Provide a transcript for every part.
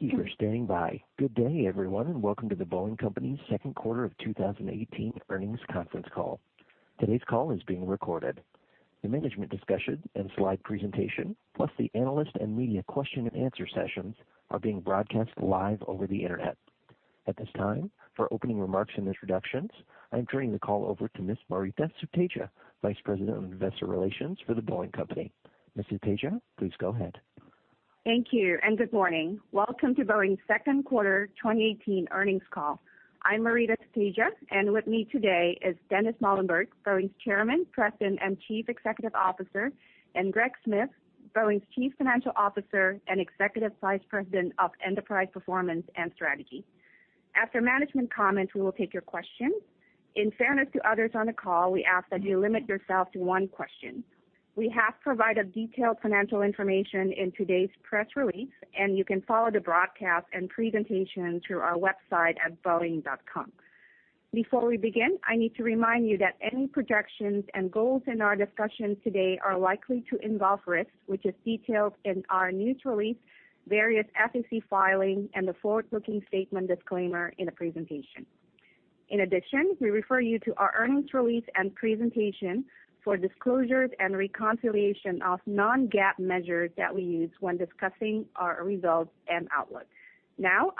Thank you for standing by. Good day, everyone, and welcome to The Boeing Company's second quarter of 2018 earnings conference call. Today's call is being recorded. The management discussion and slide presentation, plus the analyst and media question and answer sessions are being broadcast live over the internet. At this time, for opening remarks and introductions, I'm turning the call over to Ms. Maurita Sutedja, Vice President of Investor Relations for The Boeing Company. Ms. Sutedja, please go ahead. Thank you. Good morning. Welcome to Boeing's second quarter 2018 earnings call. I'm Maurita Sutedja, and with me today is Dennis Muilenburg, Boeing's Chairman, President, and Chief Executive Officer, and Greg Smith, Boeing's Chief Financial Officer and Executive Vice President of Enterprise Performance and Strategy. After management comments, we will take your questions. In fairness to others on the call, we ask that you limit yourself to one question. We have provided detailed financial information in today's press release, and you can follow the broadcast and presentation through our website at boeing.com. Before we begin, I need to remind you that any projections and goals in our discussion today are likely to involve risks, which is detailed in our news release, various SEC filings, and the forward-looking statement disclaimer in the presentation. In addition, we refer you to our earnings release and presentation for disclosures and reconciliation of non-GAAP measures that we use when discussing our results and outlook.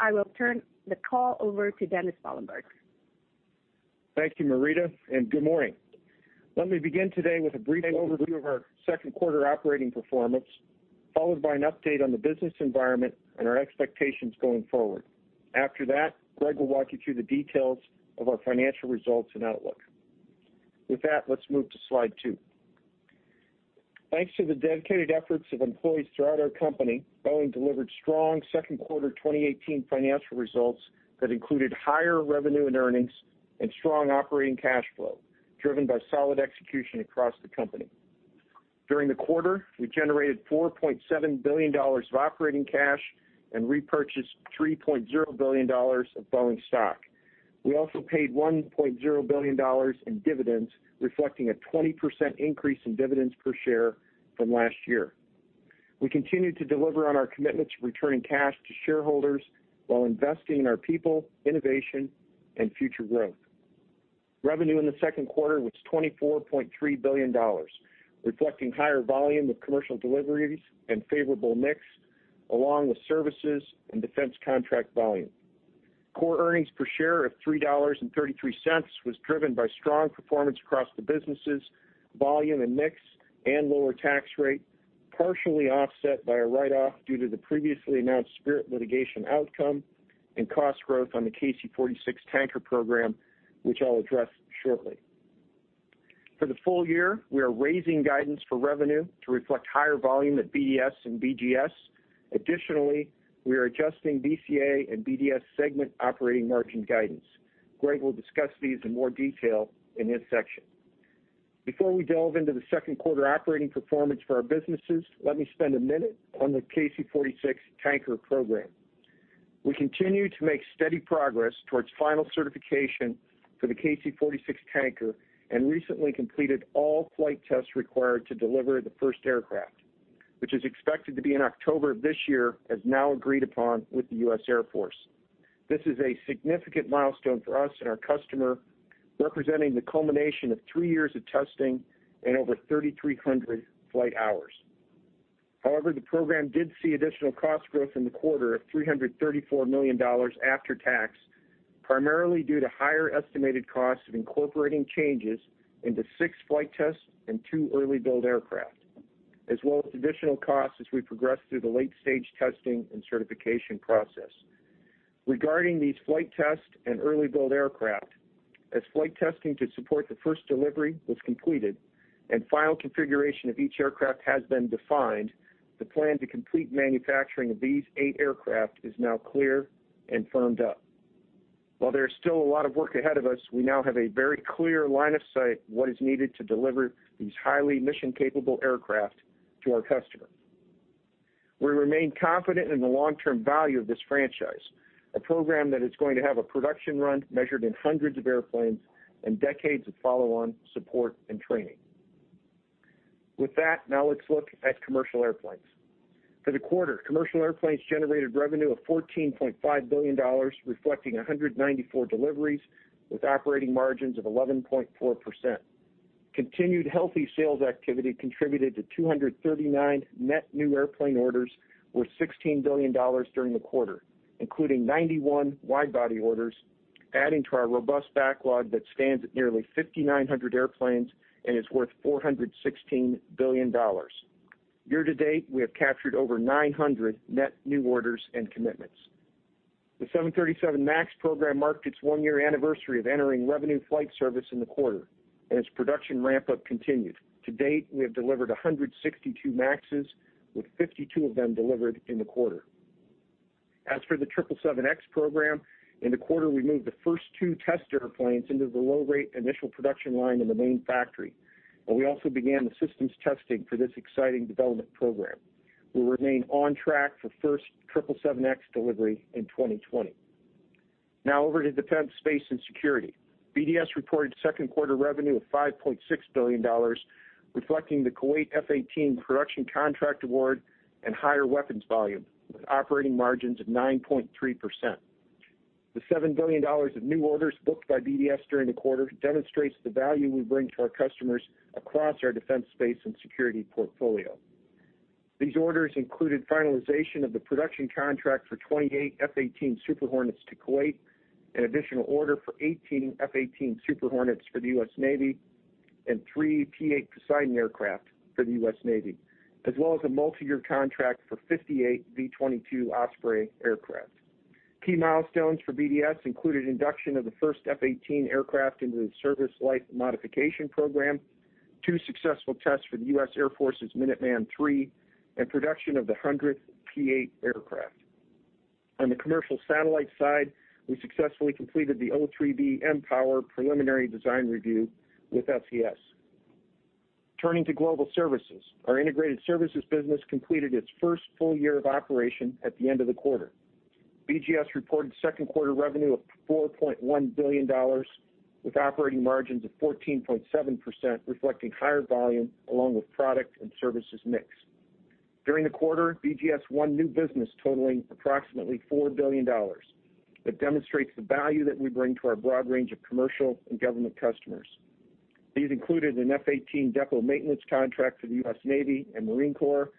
I will turn the call over to Dennis Muilenburg. Thank you, Maurita. Good morning. Let me begin today with a brief overview of our second quarter operating performance, followed by an update on the business environment and our expectations going forward. After that, Greg will walk you through the details of our financial results and outlook. With that, let's move to slide two. Thanks to the dedicated efforts of employees throughout our company, Boeing delivered strong second quarter 2018 financial results that included higher revenue and earnings and strong operating cash flow, driven by solid execution across the company. During the quarter, we generated $4.7 billion of operating cash and repurchased $3.0 billion of Boeing stock. We also paid $1.0 billion in dividends, reflecting a 20% increase in dividends per share from last year. We continue to deliver on our commitment to returning cash to shareholders while investing in our people, innovation, and future growth. Revenue in the second quarter was $24.3 billion, reflecting higher volume of commercial deliveries and favorable mix, along with services and defense contract volume. Core earnings per share of $3.33 was driven by strong performance across the businesses, volume and mix, and lower tax rate, partially offset by a write-off due to the previously announced Spirit litigation outcome and cost growth on the KC-46 Tanker program, which I'll address shortly. For the full year, we are raising guidance for revenue to reflect higher volume at BDS and BGS. Additionally, we are adjusting BCA and BDS segment operating margin guidance. Greg will discuss these in more detail in his section. Before we delve into the second quarter operating performance for our businesses, let me spend a minute on the KC-46 Tanker program. We continue to make steady progress towards final certification for the KC-46 Tanker and recently completed all flight tests required to deliver the first aircraft, which is expected to be in October of this year, as now agreed upon with the U.S. Air Force. This is a significant milestone for us and our customer, representing the culmination of three years of testing and over 3,300 flight hours. However, the program did see additional cost growth in the quarter of $334 million after tax, primarily due to higher estimated costs of incorporating changes into six flight tests and two early build aircraft, as well as additional costs as we progress through the late-stage testing and certification process. Regarding these flight tests and early build aircraft, as flight testing to support the first delivery was completed and final configuration of each aircraft has been defined, the plan to complete manufacturing of these eight aircraft is now clear and firmed up. While there is still a lot of work ahead of us, we now have a very clear line of sight of what is needed to deliver these highly mission-capable aircraft to our customer. We remain confident in the long-term value of this franchise, a program that is going to have a production run measured in hundreds of airplanes and decades of follow-on support and training. With that, now let's look at commercial airplanes. For the quarter, commercial airplanes generated revenue of $14.5 billion, reflecting 194 deliveries with operating margins of 11.4%. Continued healthy sales activity contributed to 239 net new airplane orders worth $16 billion during the quarter, including 91 wide body orders, adding to our robust backlog that stands at nearly 5,900 airplanes and is worth $416 billion. Year to date, we have captured over 900 net new orders and commitments. The 737 MAX program marked its one-year anniversary of entering revenue flight service in the quarter, and its production ramp-up continued. To date, we have delivered 162 MAXs, with 52 of them delivered in the quarter. As for the 777X program, in the quarter, we moved the first two test airplanes into the low-rate initial production line in the main factory, and we also began the systems testing for this exciting development program. We remain on track for first 777X delivery in 2020. Now over to Defense, Space and Security. BDS reported second quarter revenue of $5.6 billion, reflecting the Kuwait F-18 production contract award and higher weapons volume, with operating margins of 9.3%. The $7 billion of new orders booked by BDS during the quarter demonstrates the value we bring to our customers across our defense space and security portfolio. These orders included finalization of the production contract for 28 F-18 Super Hornets to Kuwait, an additional order for 18 F-18 Super Hornets for the U.S. Navy, and three P-8 Poseidon aircraft for the U.S. Navy, as well as a multi-year contract for 58 V-22 Osprey aircraft. Key milestones for BDS included induction of the first F-18 aircraft into the service life modification program, two successful tests for the U.S. Air Force's Minuteman III, and production of the 100th P-8 aircraft. On the commercial satellite side, we successfully completed the O3b mPOWER preliminary design review with SES. Turning to Global Services, our integrated services business completed its first full year of operation at the end of the quarter. BGS reported second quarter revenue of $4.1 billion, with operating margins of 14.7%, reflecting higher volume along with product and services mix. During the quarter, BGS won new business totaling approximately $4 billion. That demonstrates the value that we bring to our broad range of commercial and government customers. These included an F-18 depot maintenance contract for the U.S. Navy and Marine Corps,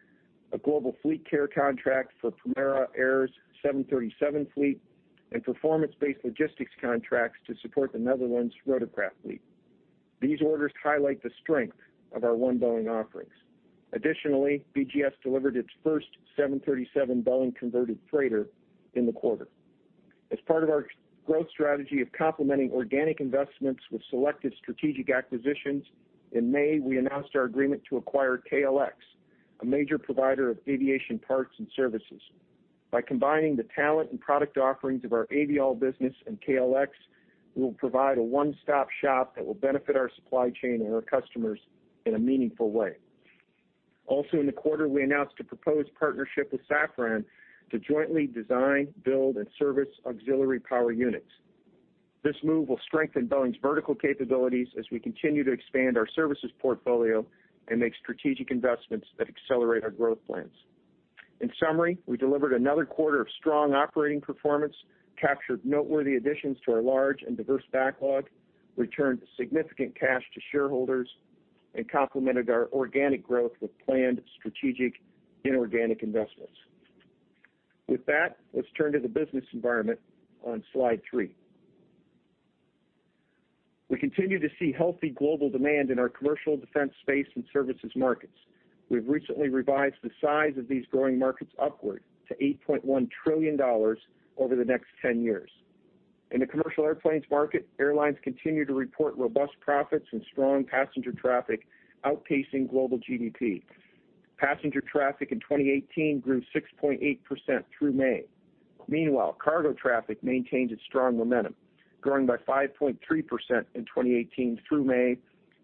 a global fleet care contract for Primera Air's 737 fleet, and performance-based logistics contracts to support the Netherlands rotorcraft fleet. These orders highlight the strength of our One Boeing offerings. Additionally, BGS delivered its first 737 Boeing converted freighter in the quarter. As part of our growth strategy of complementing organic investments with selected strategic acquisitions, in May, we announced our agreement to acquire KLX, a major provider of aviation parts and services. By combining the talent and product offerings of our Aviall business and KLX, we will provide a one-stop shop that will benefit our supply chain and our customers in a meaningful way. Also in the quarter, we announced a proposed partnership with Safran to jointly design, build, and service auxiliary power units. This move will strengthen Boeing's vertical capabilities as we continue to expand our services portfolio and make strategic investments that accelerate our growth plans. In summary, we delivered another quarter of strong operating performance, captured noteworthy additions to our large and diverse backlog, returned significant cash to shareholders, and complemented our organic growth with planned strategic inorganic investments. With that, let's turn to the business environment on slide three. We continue to see healthy global demand in our commercial defense space and services markets. We've recently revised the size of these growing markets upward to $8.1 trillion over the next 10 years. In the commercial airplanes market, airlines continue to report robust profits and strong passenger traffic, outpacing global GDP. Passenger traffic in 2018 grew 6.8% through May. Meanwhile, cargo traffic maintains its strong momentum, growing by 5.3% in 2018 through May,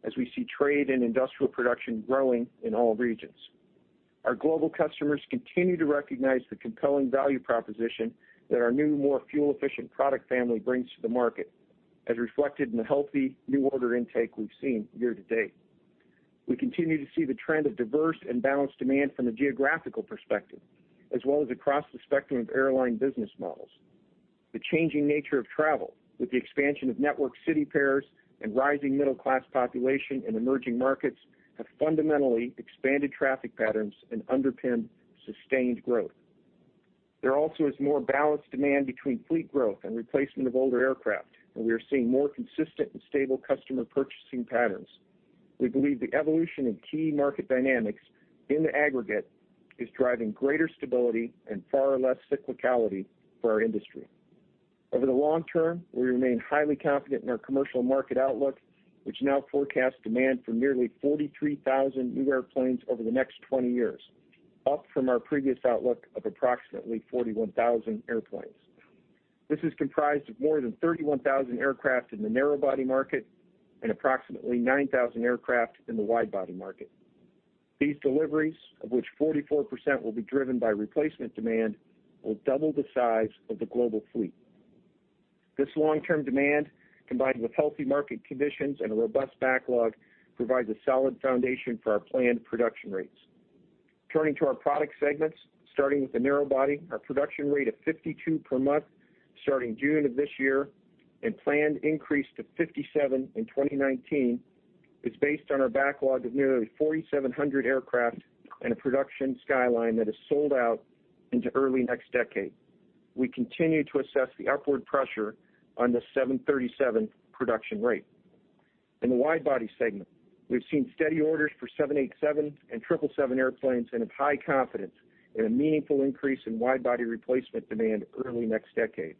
as we see trade and industrial production growing in all regions. Our global customers continue to recognize the compelling value proposition that our new, more fuel-efficient product family brings to the market, as reflected in the healthy new order intake we've seen year to date. We continue to see the trend of diverse and balanced demand from a geographical perspective, as well as across the spectrum of airline business models. The changing nature of travel, with the expansion of network city pairs and rising middle-class population in emerging markets, have fundamentally expanded traffic patterns and underpinned sustained growth. There also is more balanced demand between fleet growth and replacement of older aircraft, and we are seeing more consistent and stable customer purchasing patterns. We believe the evolution in key market dynamics in the aggregate is driving greater stability and far less cyclicality for our industry. Over the long term, we remain highly confident in our commercial market outlook, which now forecasts demand for nearly 43,000 new airplanes over the next 20 years, up from our previous outlook of approximately 41,000 airplanes. This is comprised of more than 31,000 aircraft in the narrow body market and approximately 9,000 aircraft in the wide body market. These deliveries, of which 44% will be driven by replacement demand, will double the size of the global fleet. This long-term demand, combined with healthy market conditions and a robust backlog, provides a solid foundation for our planned production rates. Turning to our product segments, starting with the narrow body, our production rate of 52 per month starting June of this year and planned increase to 57 in 2019 is based on our backlog of nearly 4,700 aircraft and a production skyline that is sold out into early next decade. We continue to assess the upward pressure on the 737 production rate. In the wide body segment, we've seen steady orders for 787 and 777 airplanes and have high confidence in a meaningful increase in wide body replacement demand early next decade.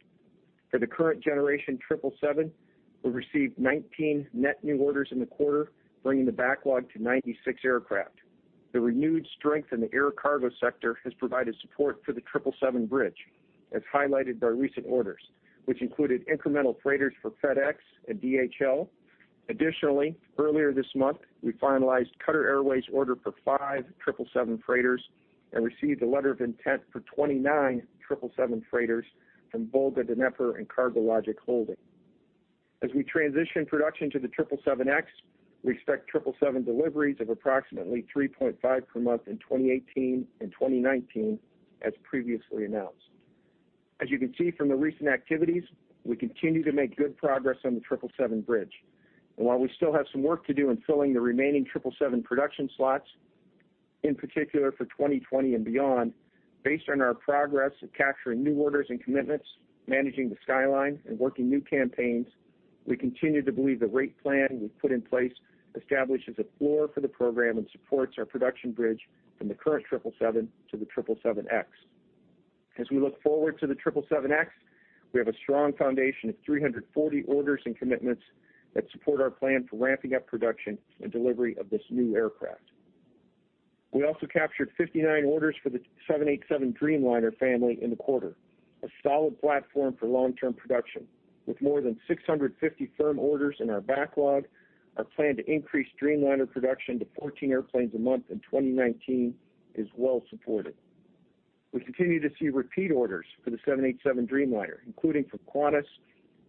For the current generation 777, we received 19 net new orders in the quarter, bringing the backlog to 96 aircraft. The renewed strength in the air cargo sector has provided support for the 777 bridge, as highlighted by recent orders, which included incremental freighters for FedEx and DHL. Additionally, earlier this month, we finalized Qatar Airways' order for 5 777 freighters and received a letter of intent for 29 777 freighters from Volga-Dnepr and Cargologic Holding. As we transition production to the 777X, we expect 777 deliveries of approximately 3.5 per month in 2018 and 2019, as previously announced. As you can see from the recent activities, we continue to make good progress on the 777 bridge. While we still have some work to do in filling the remaining 777 production slots, in particular for 2020 and beyond, based on our progress of capturing new orders and commitments, managing the skyline, and working new campaigns, we continue to believe the rate plan we've put in place establishes a floor for the program and supports our production bridge from the current 777 to the 777X. As we look forward to the 777X, we have a strong foundation of 340 orders and commitments that support our plan for ramping up production and delivery of this new aircraft. We also captured 59 orders for the 787 Dreamliner family in the quarter, a solid platform for long-term production. With more than 650 firm orders in our backlog, our plan to increase Dreamliner production to 14 airplanes a month in 2019 is well supported. We continue to see repeat orders for the 787 Dreamliner, including for Qantas,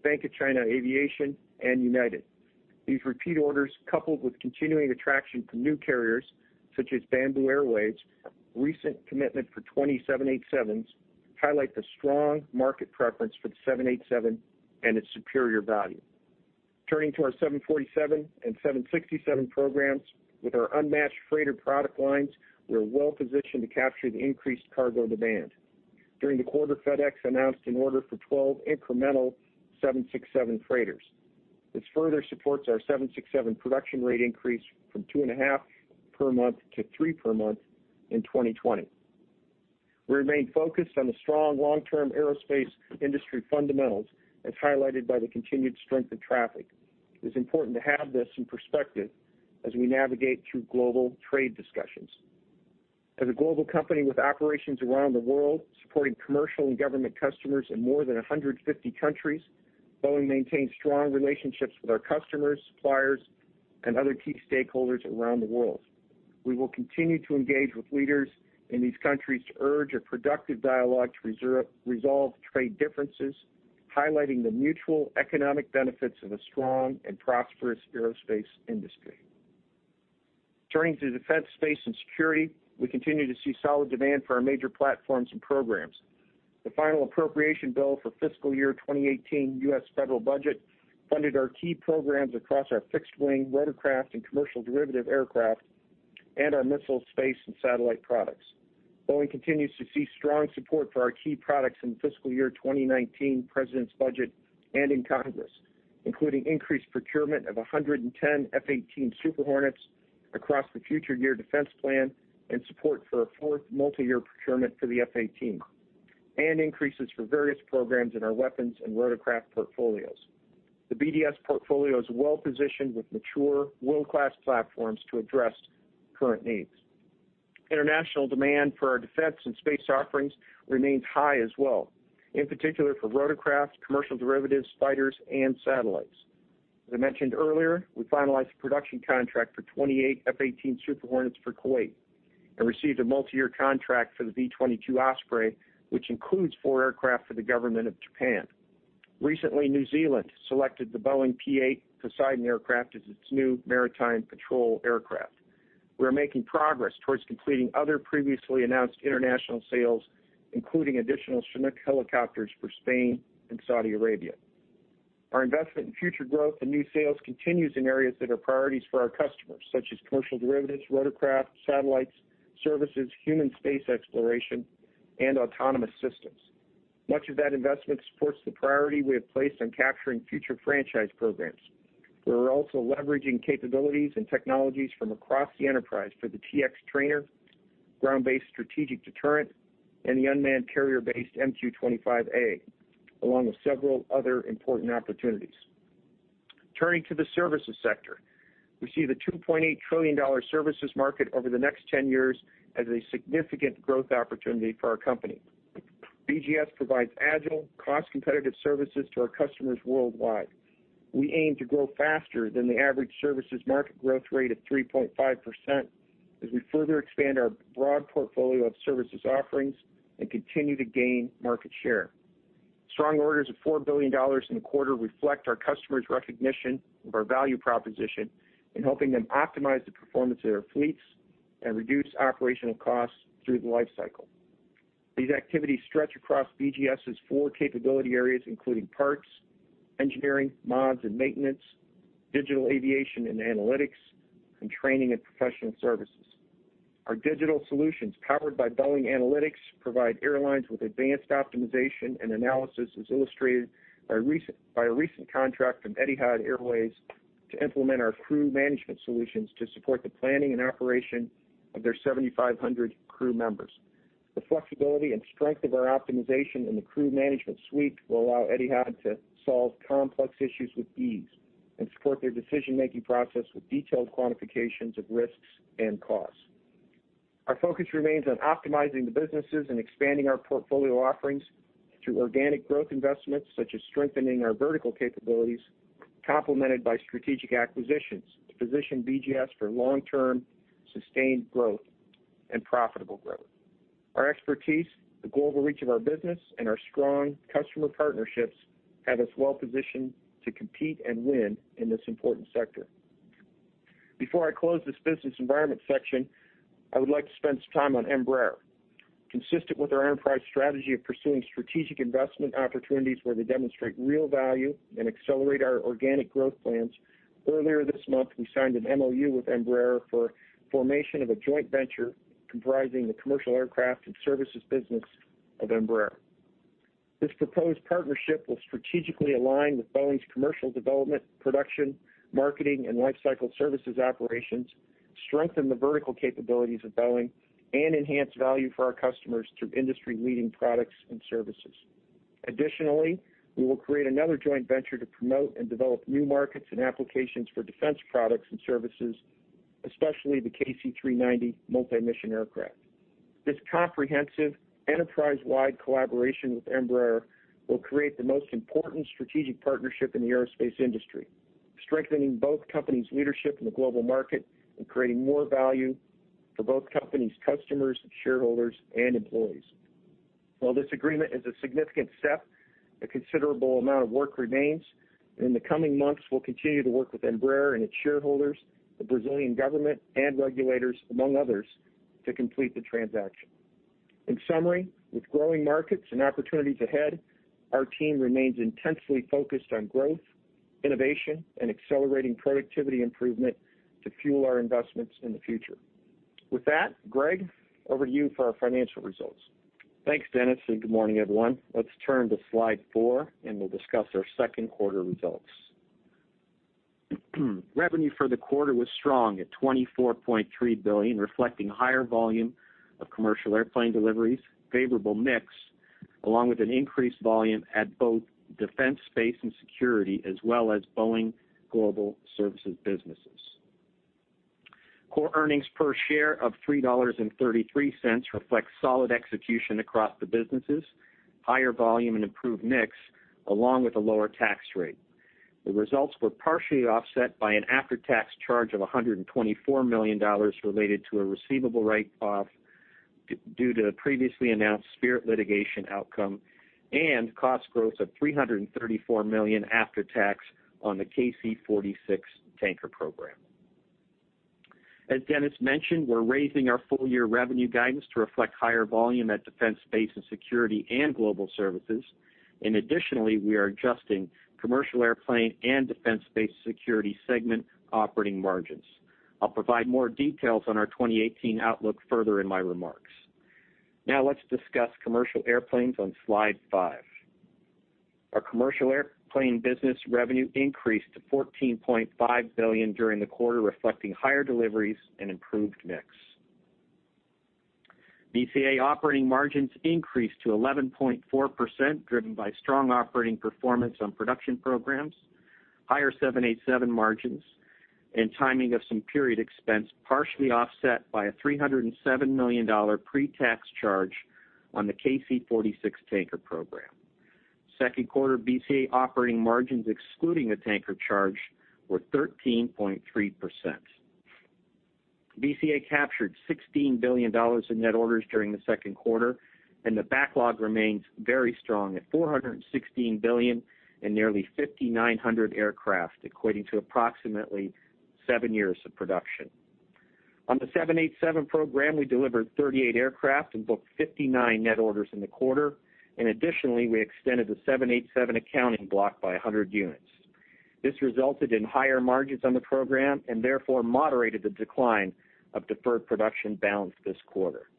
Bank of China Aviation, and United. These repeat orders, coupled with continuing attraction from new carriers, such as Bamboo Airways' recent commitment for 20 787s, highlight the strong market preference for the 787 and its superior value. Turning to our 747 and 767 programs, with our unmatched freighter product lines, we are well positioned to capture the increased cargo demand. During the quarter, FedEx announced an order for 12 incremental 767 freighters. This further supports our 767 production rate increase from two and a half per month to three per month in 2020. We remain focused on the strong long-term aerospace industry fundamentals, as highlighted by the continued strength in traffic. It is important to have this in perspective as we navigate through global trade discussions. As a global company with operations around the world, supporting commercial and government customers in more than 150 countries, Boeing maintains strong relationships with our customers, suppliers, and other key stakeholders around the world. We will continue to engage with leaders in these countries to urge a productive dialogue to resolve trade differences, highlighting the mutual economic benefits of a strong and prosperous aerospace industry. Turning to defense, space, and security, we continue to see solid demand for our major platforms and programs. The final appropriation bill for fiscal year 2018 U.S. federal budget funded our key programs across our fixed wing, rotorcraft, and commercial derivative aircraft, our missile, space, and satellite products. Boeing continues to see strong support for our key products in fiscal year 2019 president's budget and in Congress, including increased procurement of 110 F-18 Super Hornets across the future year defense plan and support for a fourth multi-year procurement for the F-18, and increases for various programs in our weapons and rotorcraft portfolios. The BDS portfolio is well positioned with mature world-class platforms to address current needs. International demand for our defense and space offerings remains high as well, in particular for rotorcraft, commercial derivatives, fighters, and satellites. As I mentioned earlier, we finalized a production contract for 28 F-18 Super Hornets for Kuwait and received a multi-year contract for the V-22 Osprey, which includes four aircraft for the government of Japan. Recently, New Zealand selected the Boeing P-8 Poseidon aircraft as its new maritime patrol aircraft. We are making progress towards completing other previously announced international sales, including additional Chinook helicopters for Spain and Saudi Arabia. Our investment in future growth and new sales continues in areas that are priorities for our customers, such as commercial derivatives, rotorcraft, satellites, services, human space exploration, and autonomous systems. Much of that investment supports the priority we have placed on capturing future franchise programs. We are also leveraging capabilities and technologies from across the enterprise for the T-X trainer, Ground Based Strategic Deterrent, and the unmanned carrier-based MQ-25A, along with several other important opportunities. Turning to the services sector. We see the $2.8 trillion services market over the next 10 years as a significant growth opportunity for our company. BGS provides agile, cost-competitive services to our customers worldwide. We aim to grow faster than the average services market growth rate of 3.5% as we further expand our broad portfolio of services offerings and continue to gain market share. Strong orders of $4 billion in the quarter reflect our customers' recognition of our value proposition in helping them optimize the performance of their fleets and reduce operational costs through the life cycle. These activities stretch across BGS' four capability areas, including parts; engineering, mods, and maintenance; digital aviation and analytics; and training and professional services. Our digital solutions, powered by Boeing AnalytX, provide airlines with advanced optimization and analysis, as illustrated by a recent contract from Etihad Airways to implement our crew management solutions to support the planning and operation of their 7,500 crew members. The flexibility and strength of our optimization in the crew management suite will allow Etihad to solve complex issues with ease and support their decision-making process with detailed quantifications of risks and costs. Our focus remains on optimizing the businesses and expanding our portfolio offerings through organic growth investments, such as strengthening our vertical capabilities, complemented by strategic acquisitions to position BGS for long-term, sustained growth and profitable growth. Our expertise, the global reach of our business, and our strong customer partnerships have us well-positioned to compete and win in this important sector. Before I close this business environment section, I would like to spend some time on Embraer. Consistent with our enterprise strategy of pursuing strategic investment opportunities where they demonstrate real value and accelerate our organic growth plans, earlier this month, we signed an MOU with Embraer for formation of a joint venture comprising the commercial aircraft and services business of Embraer. This proposed partnership will strategically align with Boeing's commercial development, production, marketing, and life cycle services operations, strengthen the vertical capabilities of Boeing, and enhance value for our customers through industry-leading products and services. Additionally, we will create another joint venture to promote and develop new markets and applications for defense products and services, especially the KC-390 multi-mission aircraft. This comprehensive, enterprise-wide collaboration with Embraer will create the most important strategic partnership in the aerospace industry, strengthening both companies' leadership in the global market and creating more value for both companies' customers, shareholders, and employees. While this agreement is a significant step, a considerable amount of work remains. In the coming months, we'll continue to work with Embraer and its shareholders, the Brazilian government, and regulators, among others, to complete the transaction. In summary, with growing markets and opportunities ahead, our team remains intensely focused on growth, innovation, and accelerating productivity improvement to fuel our investments in the future. With that, Greg, over to you for our financial results. Thanks, Dennis. Good morning, everyone. Let's turn to slide four. We'll discuss our second quarter results. Revenue for the quarter was strong at $24.3 billion, reflecting higher volume of commercial airplane deliveries, favorable mix, along with an increased volume at both Defense, Space, and Security, as well as Boeing Global Services businesses. Core earnings per share of $3.33 reflect solid execution across the businesses, higher volume, and improved mix, along with a lower tax rate. The results were partially offset by an after-tax charge of $124 million related to a receivable write-off due to the previously announced Spirit litigation outcome and cost growth of $334 million after tax on the KC-46 Tanker program. As Dennis mentioned, we're raising our full-year revenue guidance to reflect higher volume at Defense, Space, and Security and Global Services. Additionally, we are adjusting commercial airplane and Defense, Space, and Security segment operating margins. I'll provide more details on our 2018 outlook further in my remarks. Now let's discuss commercial airplanes on slide five. Our commercial airplane business revenue increased to $14.5 billion during the quarter, reflecting higher deliveries and improved mix. BCA operating margins increased to 11.4%, driven by strong operating performance on production programs, higher 787 margins, and timing of some period expense, partially offset by a $307 million pre-tax charge on the KC-46 Tanker program. Second quarter BCA operating margins excluding the Tanker charge were 13.3%. BCA captured $16 billion in net orders during the second quarter, and the backlog remains very strong at $416 billion and nearly 5,900 aircraft, equating to approximately seven years of production. On the 787 program, we delivered 38 aircraft and booked 59 net orders in the quarter. Additionally, we extended the 787 accounting block by 100 units. This resulted in higher margins on the program and therefore moderated the decline of deferred production balance this quarter.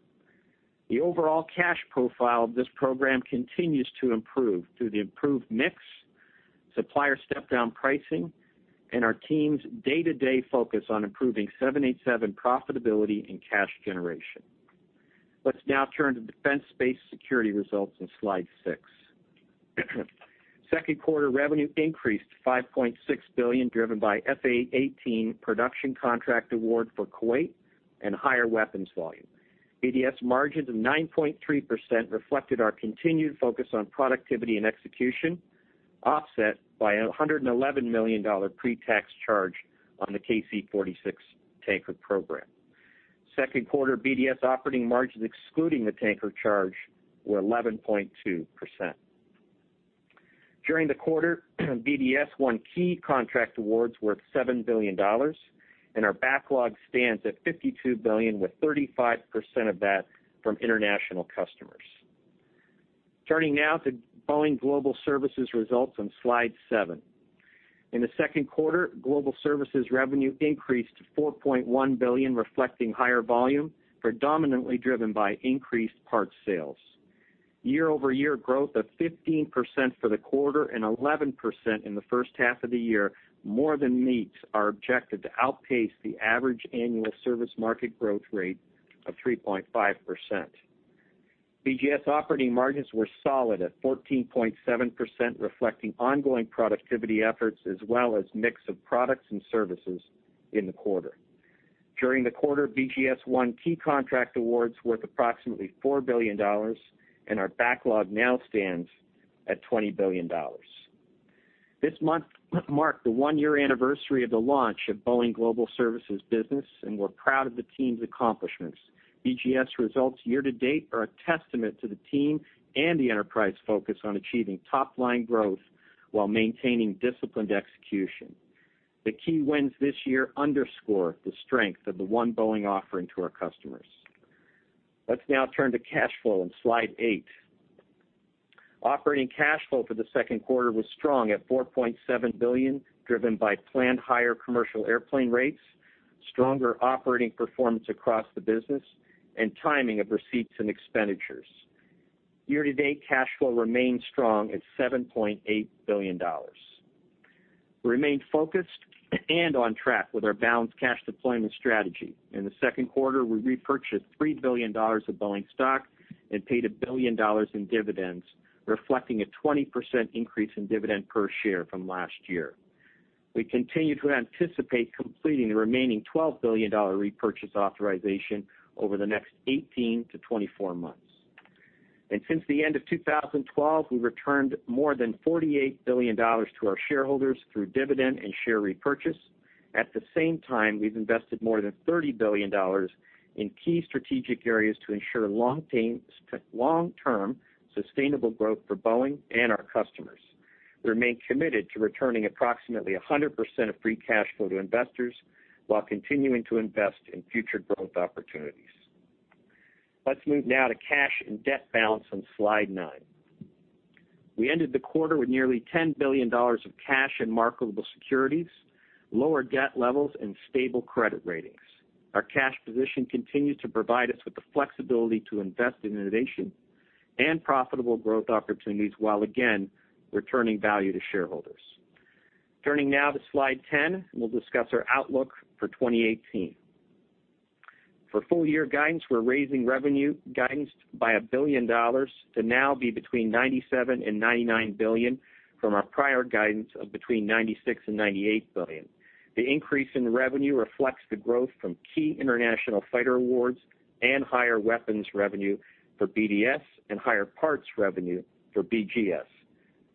The overall cash profile of this program continues to improve through the improved mix, supplier step-down pricing, and our team's day-to-day focus on improving 787 profitability and cash generation. Let's now turn to Defense, Space, and Security results on slide six. Second quarter revenue increased to $5.6 billion, driven by F/A-18 production contract award for Kuwait and higher weapons volume. BDS margins of 9.3% reflected our continued focus on productivity and execution, offset by a $111 million pre-tax charge on the KC-46 Tanker program. Second quarter BDS operating margins excluding the Tanker charge were 11.2%. During the quarter, BDS won key contract awards worth $7 billion, and our backlog stands at $52 billion, with 35% of that from international customers. Turning now to Boeing Global Services results on slide seven. In the second quarter, Global Services revenue increased to $4.1 billion, reflecting higher volume, predominantly driven by increased parts sales. Year-over-year growth of 15% for the quarter and 11% in the first half of the year more than meets our objective to outpace the average annual service market growth rate of 3.5%. BGS operating margins were solid at 14.7%, reflecting ongoing productivity efforts as well as mix of products and services in the quarter. During the quarter, BGS won key contract awards worth approximately $4 billion, and our backlog now stands at $20 billion. This month marked the one-year anniversary of the launch of Boeing Global Services business. We're proud of the team's accomplishments. BGS results year to date are a testament to the team and the enterprise focus on achieving top-line growth while maintaining disciplined execution. The key wins this year underscore the strength of the One Boeing offering to our customers. Let's now turn to cash flow on slide eight. Operating cash flow for the second quarter was strong at $4.7 billion, driven by planned higher commercial airplane rates, stronger operating performance across the business, and timing of receipts and expenditures. Year to date, cash flow remains strong at $7.8 billion. We remain focused and on track with our balanced cash deployment strategy. In the second quarter, we repurchased $3 billion of Boeing stock and paid $1 billion in dividends, reflecting a 20% increase in dividend per share from last year. We continue to anticipate completing the remaining $12 billion repurchase authorization over the next 18 to 24 months. Since the end of 2012, we returned more than $48 billion to our shareholders through dividend and share repurchase. At the same time, we've invested more than $30 billion in key strategic areas to ensure long-term sustainable growth for Boeing and our customers. We remain committed to returning approximately 100% of free cash flow to investors while continuing to invest in future growth opportunities. Let's move now to cash and debt balance on slide nine. We ended the quarter with nearly $10 billion of cash and marketable securities, lower debt levels, and stable credit ratings. Our cash position continues to provide us with the flexibility to invest in innovation and profitable growth opportunities while again, returning value to shareholders. Turning now to slide 10, we'll discuss our outlook for 2018. For full-year guidance, we're raising revenue guidance by $1 billion to now be between $97 billion and $99 billion from our prior guidance of between $96 billion and $98 billion. The increase in revenue reflects the growth from key international fighter awards and higher weapons revenue for BDS and higher parts revenue for BGS.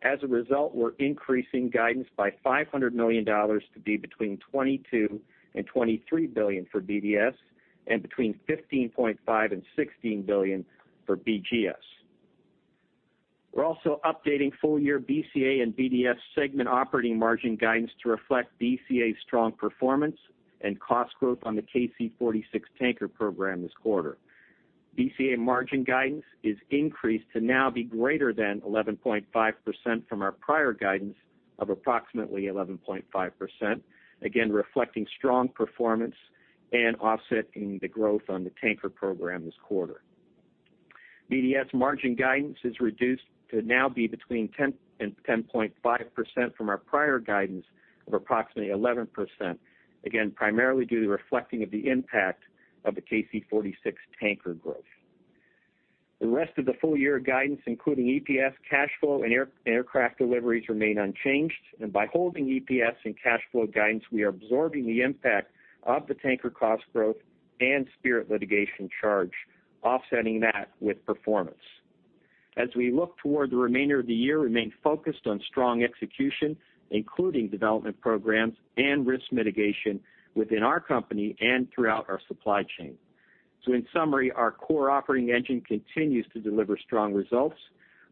As a result, we're increasing guidance by $500 million to be between $22 billion and $23 billion for BDS and between $15.5 billion and $16 billion for BGS. We're also updating full-year BCA and BDS segment operating margin guidance to reflect BCA's strong performance and cost growth on the KC-46 Tanker program this quarter. BCA margin guidance is increased to now be greater than 11.5% from our prior guidance of approximately 11.5%, again, reflecting strong performance and offsetting the growth on the Tanker program this quarter. BDS margin guidance is reduced to now be between 10% and 10.5% from our prior guidance of approximately 11%, again, primarily due to reflecting of the impact of the KC-46 Tanker growth. The rest of the full-year guidance, including EPS, cash flow, and aircraft deliveries, remain unchanged. By holding EPS and cash flow guidance, we are absorbing the impact of the Tanker cost growth and Spirit litigation charge, offsetting that with performance. As we look toward the remainder of the year, we remain focused on strong execution, including development programs and risk mitigation within our company and throughout our supply chain. In summary, our core operating engine continues to deliver strong results.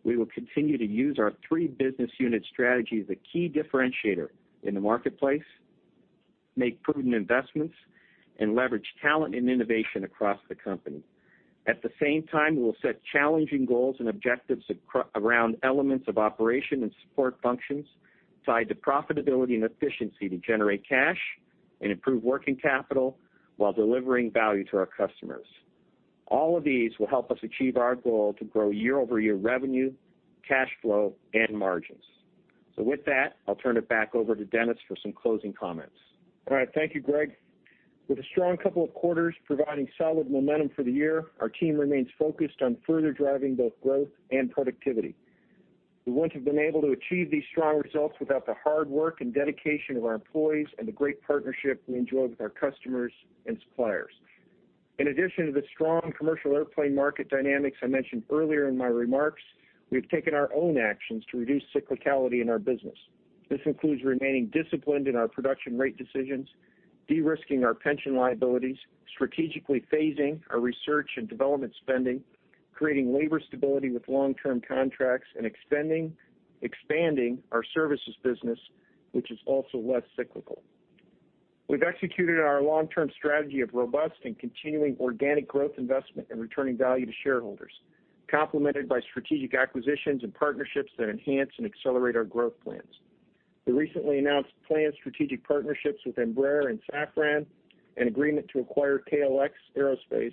We will continue to use our three business unit strategy as a key differentiator in the marketplace, make prudent investments, and leverage talent and innovation across the company. At the same time, we will set challenging goals and objectives around elements of operation and support functions tied to profitability and efficiency to generate cash and improve working capital while delivering value to our customers. All of these will help us achieve our goal to grow year-over-year revenue, cash flow, and margins. With that, I'll turn it back over to Dennis for some closing comments. All right. Thank you, Greg. With a strong couple of quarters providing solid momentum for the year, our team remains focused on further driving both growth and productivity. We wouldn't have been able to achieve these strong results without the hard work and dedication of our employees and the great partnership we enjoy with our customers and suppliers. In addition to the strong commercial airplane market dynamics I mentioned earlier in my remarks, we've taken our own actions to reduce cyclicality in our business. This includes remaining disciplined in our production rate decisions, de-risking our pension liabilities, strategically phasing our research and development spending, creating labor stability with long-term contracts, and expanding our services business, which is also less cyclical. We've executed our long-term strategy of robust and continuing organic growth investment and returning value to shareholders, complemented by strategic acquisitions and partnerships that enhance and accelerate our growth plans. The recently announced planned strategic partnerships with Embraer and Safran, and agreement to acquire KLX Aerospace,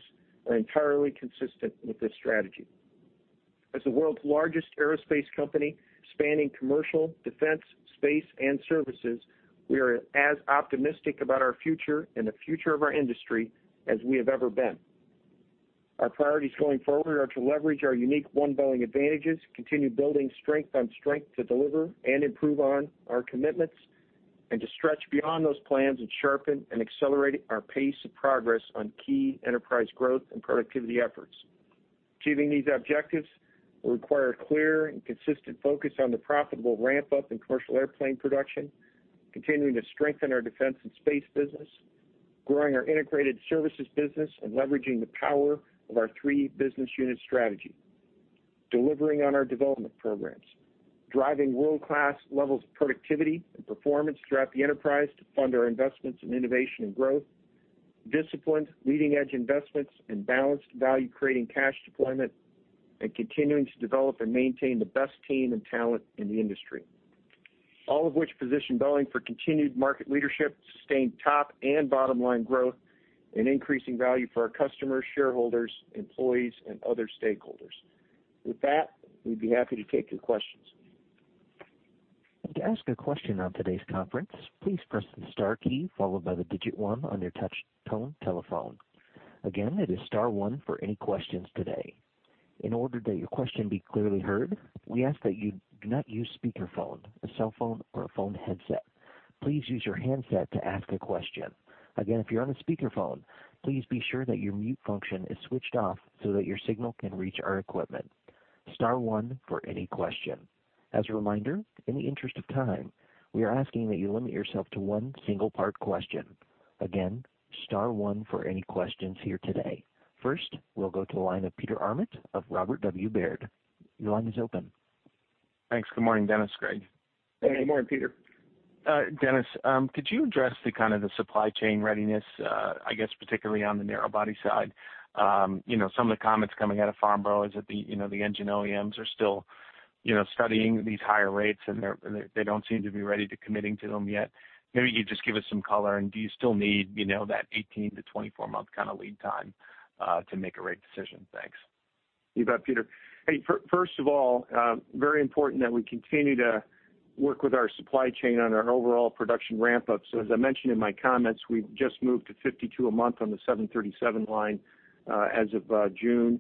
are entirely consistent with this strategy. As the world's largest aerospace company, spanning commercial, defense, space, and services, we are as optimistic about our future and the future of our industry as we have ever been. Our priorities going forward are to leverage our unique One Boeing advantages, continue building strength on strength to deliver and improve on our commitments, and to stretch beyond those plans and sharpen and accelerate our pace of progress on key enterprise growth and productivity efforts. Achieving these objectives will require a clear and consistent focus on the profitable ramp-up in commercial airplane production, continuing to strengthen our defense and space business, growing our integrated services business, and leveraging the power of our three business unit strategy, delivering on our development programs, driving world-class levels of productivity and performance throughout the enterprise to fund our investments in innovation and growth, disciplined leading-edge investments and balanced value creating cash deployment, and continuing to develop and maintain the best team and talent in the industry. All of which position Boeing for continued market leadership, sustained top and bottom-line growth, and increasing value for our customers, shareholders, employees, and other stakeholders. With that, we'd be happy to take your questions. To ask a question on today's conference, please press the star key followed by the digit one on your touch tone telephone. Again, it is star one for any questions today. In order that your question be clearly heard, we ask that you do not use speakerphone, a cell phone, or a phone headset. Please use your handset to ask a question. Again, if you're on a speakerphone, please be sure that your mute function is switched off so that your signal can reach our equipment. Star one for any question. As a reminder, in the interest of time, we are asking that you limit yourself to one single part question. Again, star one for any questions here today. First, we'll go to the line of Peter Arment of Robert W. Baird. Your line is open. Thanks. Good morning, Dennis, Greg. Hey, good morning, Peter. Dennis, could you address the kind of the supply chain readiness, I guess particularly on the narrow body side. Some of the comments coming out of Farnborough is that the engine OEMs are still studying these higher rates, and they don't seem to be ready to committing to them yet. Maybe you just give us some color, and do you still need that 18-24 month kind of lead time, to make a rate decision? Thanks. You bet, Peter. First of all, very important that we continue to work with our supply chain on our overall production ramp-up. As I mentioned in my comments, we've just moved to 52 a month on the 737 line, as of June.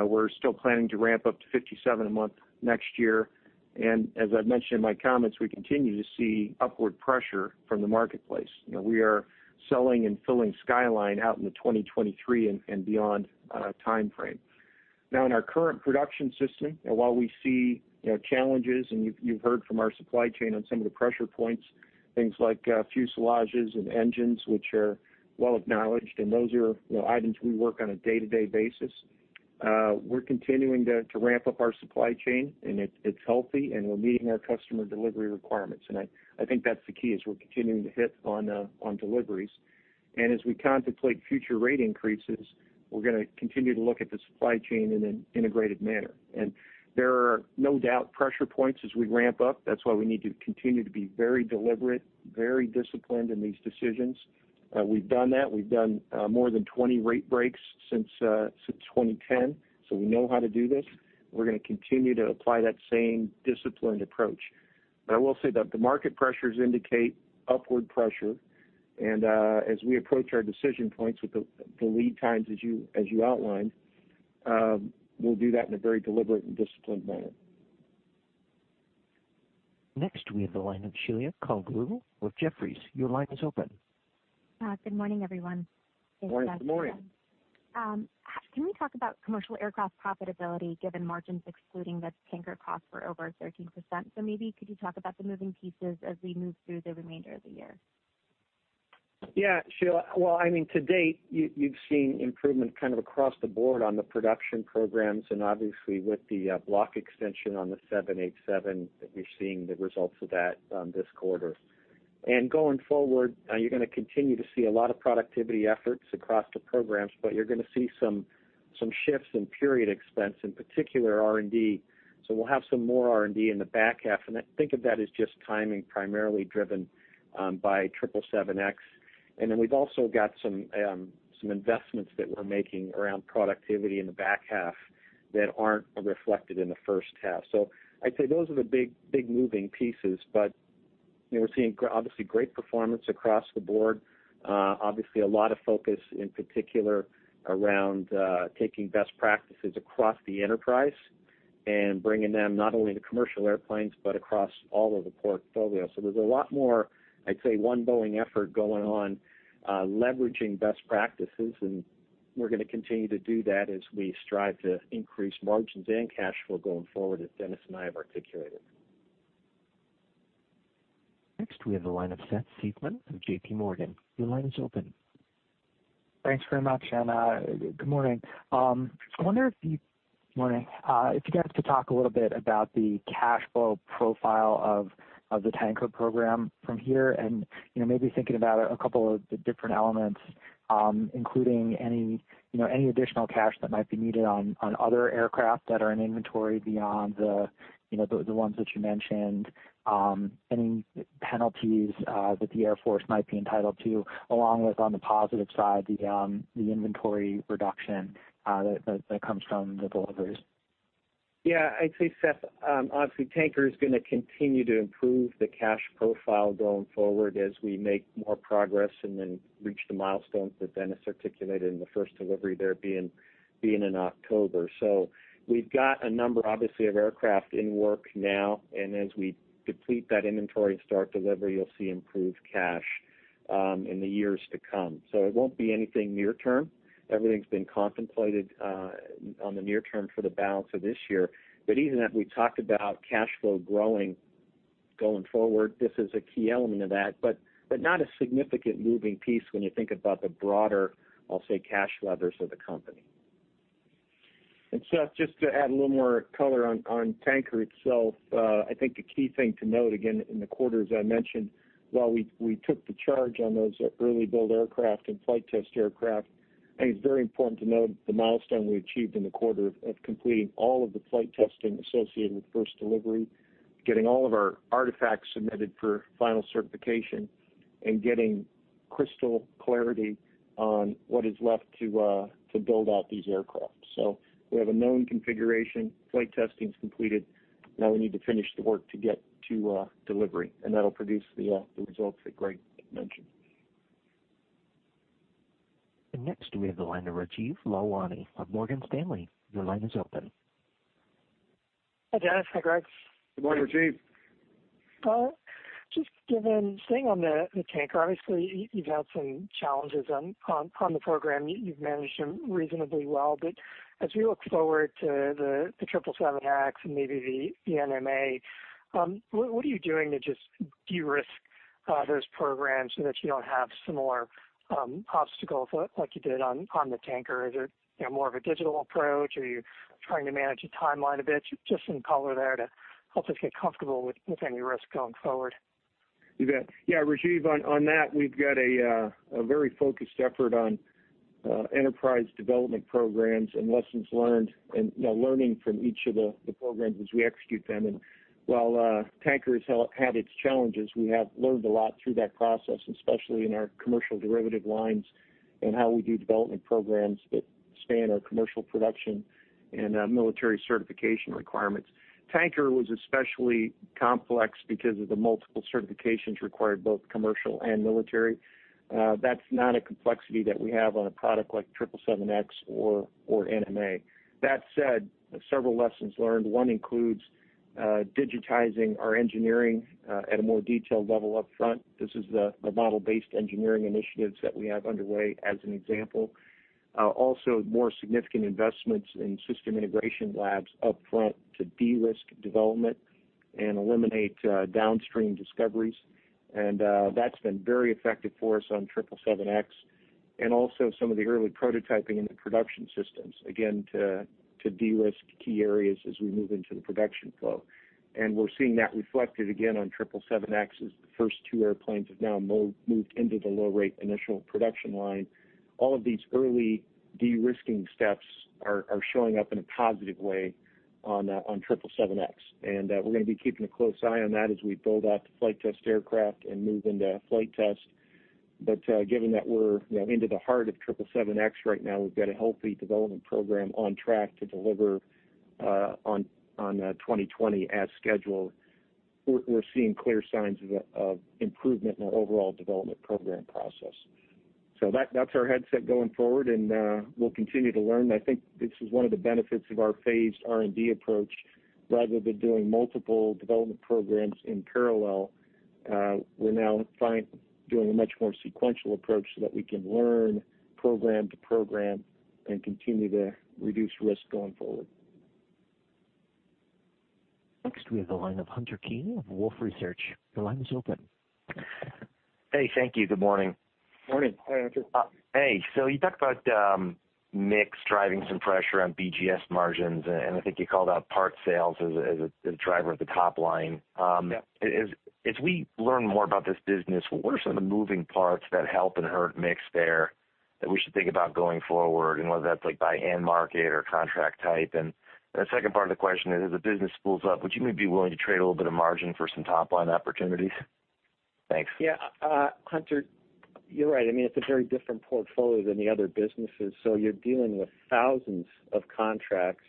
We're still planning to ramp up to 57 a month next year. As I've mentioned in my comments, we continue to see upward pressure from the marketplace. We are selling and filling skyline out in the 2023 and beyond timeframe. In our current production system, while we see challenges and you've heard from our supply chain on some of the pressure points, things like fuselages and engines, which are well acknowledged, those are items we work on a day-to-day basis. We're continuing to ramp up our supply chain, it's healthy, and we're meeting our customer delivery requirements. I think that's the key, is we're continuing to hit on deliveries. As we contemplate future rate increases, we're going to continue to look at the supply chain in an integrated manner. There are no doubt pressure points as we ramp up. That's why we need to continue to be very deliberate, very disciplined in these decisions. We've done that. We've done more than 20 rate breaks since 2010. We know how to do this. We're going to continue to apply that same disciplined approach. I will say that the market pressures indicate upward pressure, and as we approach our decision points with the lead times as you outlined, we'll do that in a very deliberate and disciplined manner. Next, we have the line of Sheila Kahyaoglu with Jefferies. Your line is open. Good morning, everyone. Morning. Good morning. Can we talk about commercial aircraft profitability given margins excluding the tanker cost were over 13%? Maybe could you talk about the moving pieces as we move through the remainder of the year? Yeah, Sheila. Well, to date, you've seen improvement kind of across the board on the production programs, and obviously with the block extension on the 787, you're seeing the results of that on this quarter. Going forward, you're going to continue to see a lot of productivity efforts across the programs, but you're going to see some shifts in period expense, in particular R&D. We'll have some more R&D in the back half, and think of that as just timing primarily driven by 777X. Then we've also got some investments that we're making around productivity in the back half that aren't reflected in the first half. I'd say those are the big moving pieces. We're seeing obviously great performance across the board. Obviously, a lot of focus in particular around taking best practices across the enterprise and bringing them not only to commercial airplanes, but across all of the portfolio. There's a lot more, I'd say, One Boeing effort going on, leveraging best practices, and we're going to continue to do that as we strive to increase margins and cash flow going forward, as Dennis and I have articulated. Next, we have the line of Seth Seifman of JP Morgan. Your line is open. Thanks very much, and good morning. I wonder if you guys could talk a little bit about the cash flow profile of the tanker program from here and maybe thinking about a couple of the different elements, including any additional cash that might be needed on other aircraft that are in inventory beyond the ones that you mentioned, any penalties that the Air Force might be entitled to, along with, on the positive side, the inventory reduction that comes from the deliveries. I'd say, Seth, obviously tanker is going to continue to improve the cash profile going forward as we make more progress and then reach the milestones that Dennis articulated in the first delivery there being in October. We've got a number, obviously, of aircraft in work now, and as we deplete that inventory and start delivery, you'll see improved cash in the years to come. It won't be anything near-term. Everything's been contemplated on the near term for the balance of this year. Even as we talk about cash flow growing going forward, this is a key element of that, but not a significant moving piece when you think about the broader, I'll say, cash levers of the company. Seth, just to add a little more color on tanker itself. I think the key thing to note, again, in the quarter, as I mentioned, while we took the charge on those early build aircraft and flight test aircraft, I think it's very important to note the milestone we achieved in the quarter of completing all of the flight testing associated with first delivery, getting all of our artifacts submitted for final certification, and getting crystal clarity on what is left to build out these aircraft. We have a known configuration. Flight testing's completed. Now we need to finish the work to get to delivery, and that'll produce the results that Greg mentioned. Next, we have the line of Rajeev Lalwani of Morgan Stanley. Your line is open. Hi, Dennis. Hi, Greg. Good morning, Rajeev. Just staying on the tanker, obviously, you've had some challenges on the program. You've managed them reasonably well. As we look forward to the 777X and maybe the NMA, what are you doing to just de-risk those programs so that you don't have similar obstacles like you did on the tanker? Is it more of a digital approach? Are you trying to manage the timeline a bit? Just some color there to help us get comfortable with any risk going forward. You bet. Yeah, Rajeev, on that, we've got a very focused effort on enterprise development programs and lessons learned and learning from each of the programs as we execute them. While Tanker has had its challenges, we have learned a lot through that process, especially in our commercial derivative lines and how we do development programs that span our commercial production and military certification requirements. Tanker was especially complex because of the multiple certifications required, both commercial and military. That's not a complexity that we have on a product like 777X or NMA. That said, several lessons learned. One includes digitizing our engineering at a more detailed level up front. This is the Model-Based Engineering Initiatives that we have underway as an example. More significant investments in system integration labs up front to de-risk development and eliminate downstream discoveries. That's been very effective for us on 777X and also some of the early prototyping in the production systems, again, to de-risk key areas as we move into the production flow. We're seeing that reflected again on 777X as the first two airplanes have now moved into the low rate initial production line. All of these early de-risking steps are showing up in a positive way on 777X. We're going to be keeping a close eye on that as we build out the flight test aircraft and move into flight test. Given that we're into the heart of 777X right now, we've got a healthy development program on track to deliver on 2020 as scheduled. We're seeing clear signs of improvement in our overall development program process. That's our headset going forward, and we'll continue to learn. I think this is one of the benefits of our phased R&D approach. Rather than doing multiple development programs in parallel, we're now doing a much more sequential approach so that we can learn program to program and continue to reduce risk going forward. Next, we have the line of Hunter Keay of Wolfe Research. Your line is open. Hey, thank you. Good morning. Morning. Hi, Hunter. Hey. You talked about mix driving some pressure on BGS margins, and I think you called out parts sales as a driver of the top line. Yeah. As we learn more about this business, what are some of the moving parts that help and hurt mix there that we should think about going forward, and whether that's by end market or contract type? The second part of the question is, as the business spools up, would you maybe be willing to trade a little bit of margin for some top-line opportunities? Thanks. Yeah. Hunter Keay, you're right. It's a very different portfolio than the other businesses. You're dealing with thousands of contracts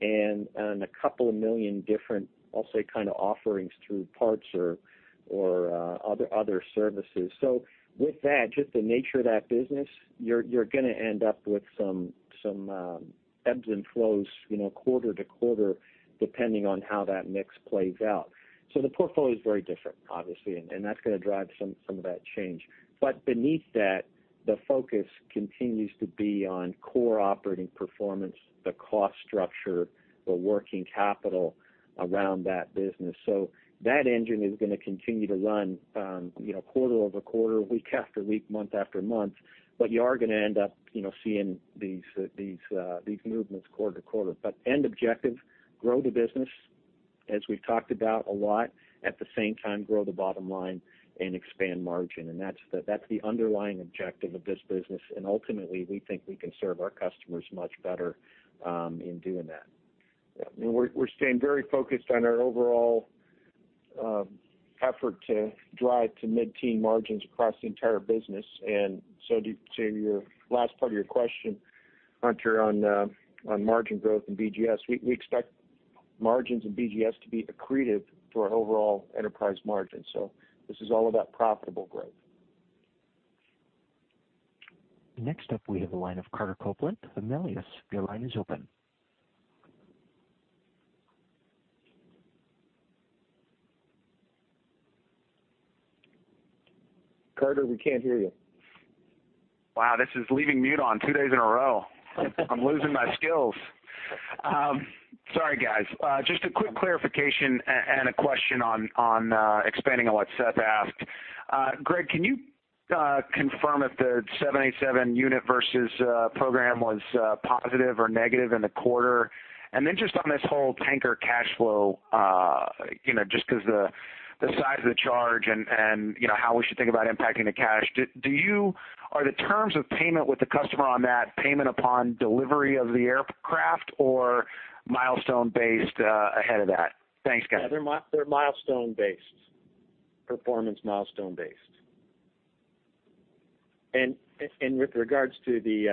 and a couple of million different, I'll say, kind of offerings through parts or other services. With that, just the nature of that business, you're going to end up with some ebbs and flows quarter to quarter, depending on how that mix plays out. The portfolio is very different, obviously, and that's going to drive some of that change. Beneath that, the focus continues to be on core operating performance, the cost structure, the working capital around that business. That engine is going to continue to run quarter-over-quarter, week after week, month after month. You are going to end up seeing these movements quarter to quarter. End objective, grow the business as we've talked about a lot. At the same time, grow the bottom line and expand margin. That's the underlying objective of this business. Ultimately, we think we can serve our customers much better in doing that. Yeah. We're staying very focused on our overall effort to drive to mid-teen margins across the entire business. To your last part of your question, Hunter Keay, on margin growth in BGS, we expect margins in BGS to be accretive to our overall enterprise margin. This is all about profitable growth. Next up, we have the line of Carter Copeland, Melius. Your line is open. Carter, we can't hear you. Wow, this is leaving mute on two days in a row. I'm losing my skills. Sorry, guys. Just a quick clarification and a question on expanding on what Seth asked. Greg, can you confirm if the 787 unit versus program was positive or negative in the quarter? Are the terms of payment with the customer on that payment upon delivery of the aircraft or milestone based ahead of that? Thanks, guys. Yeah, they're performance milestone based. With regards to the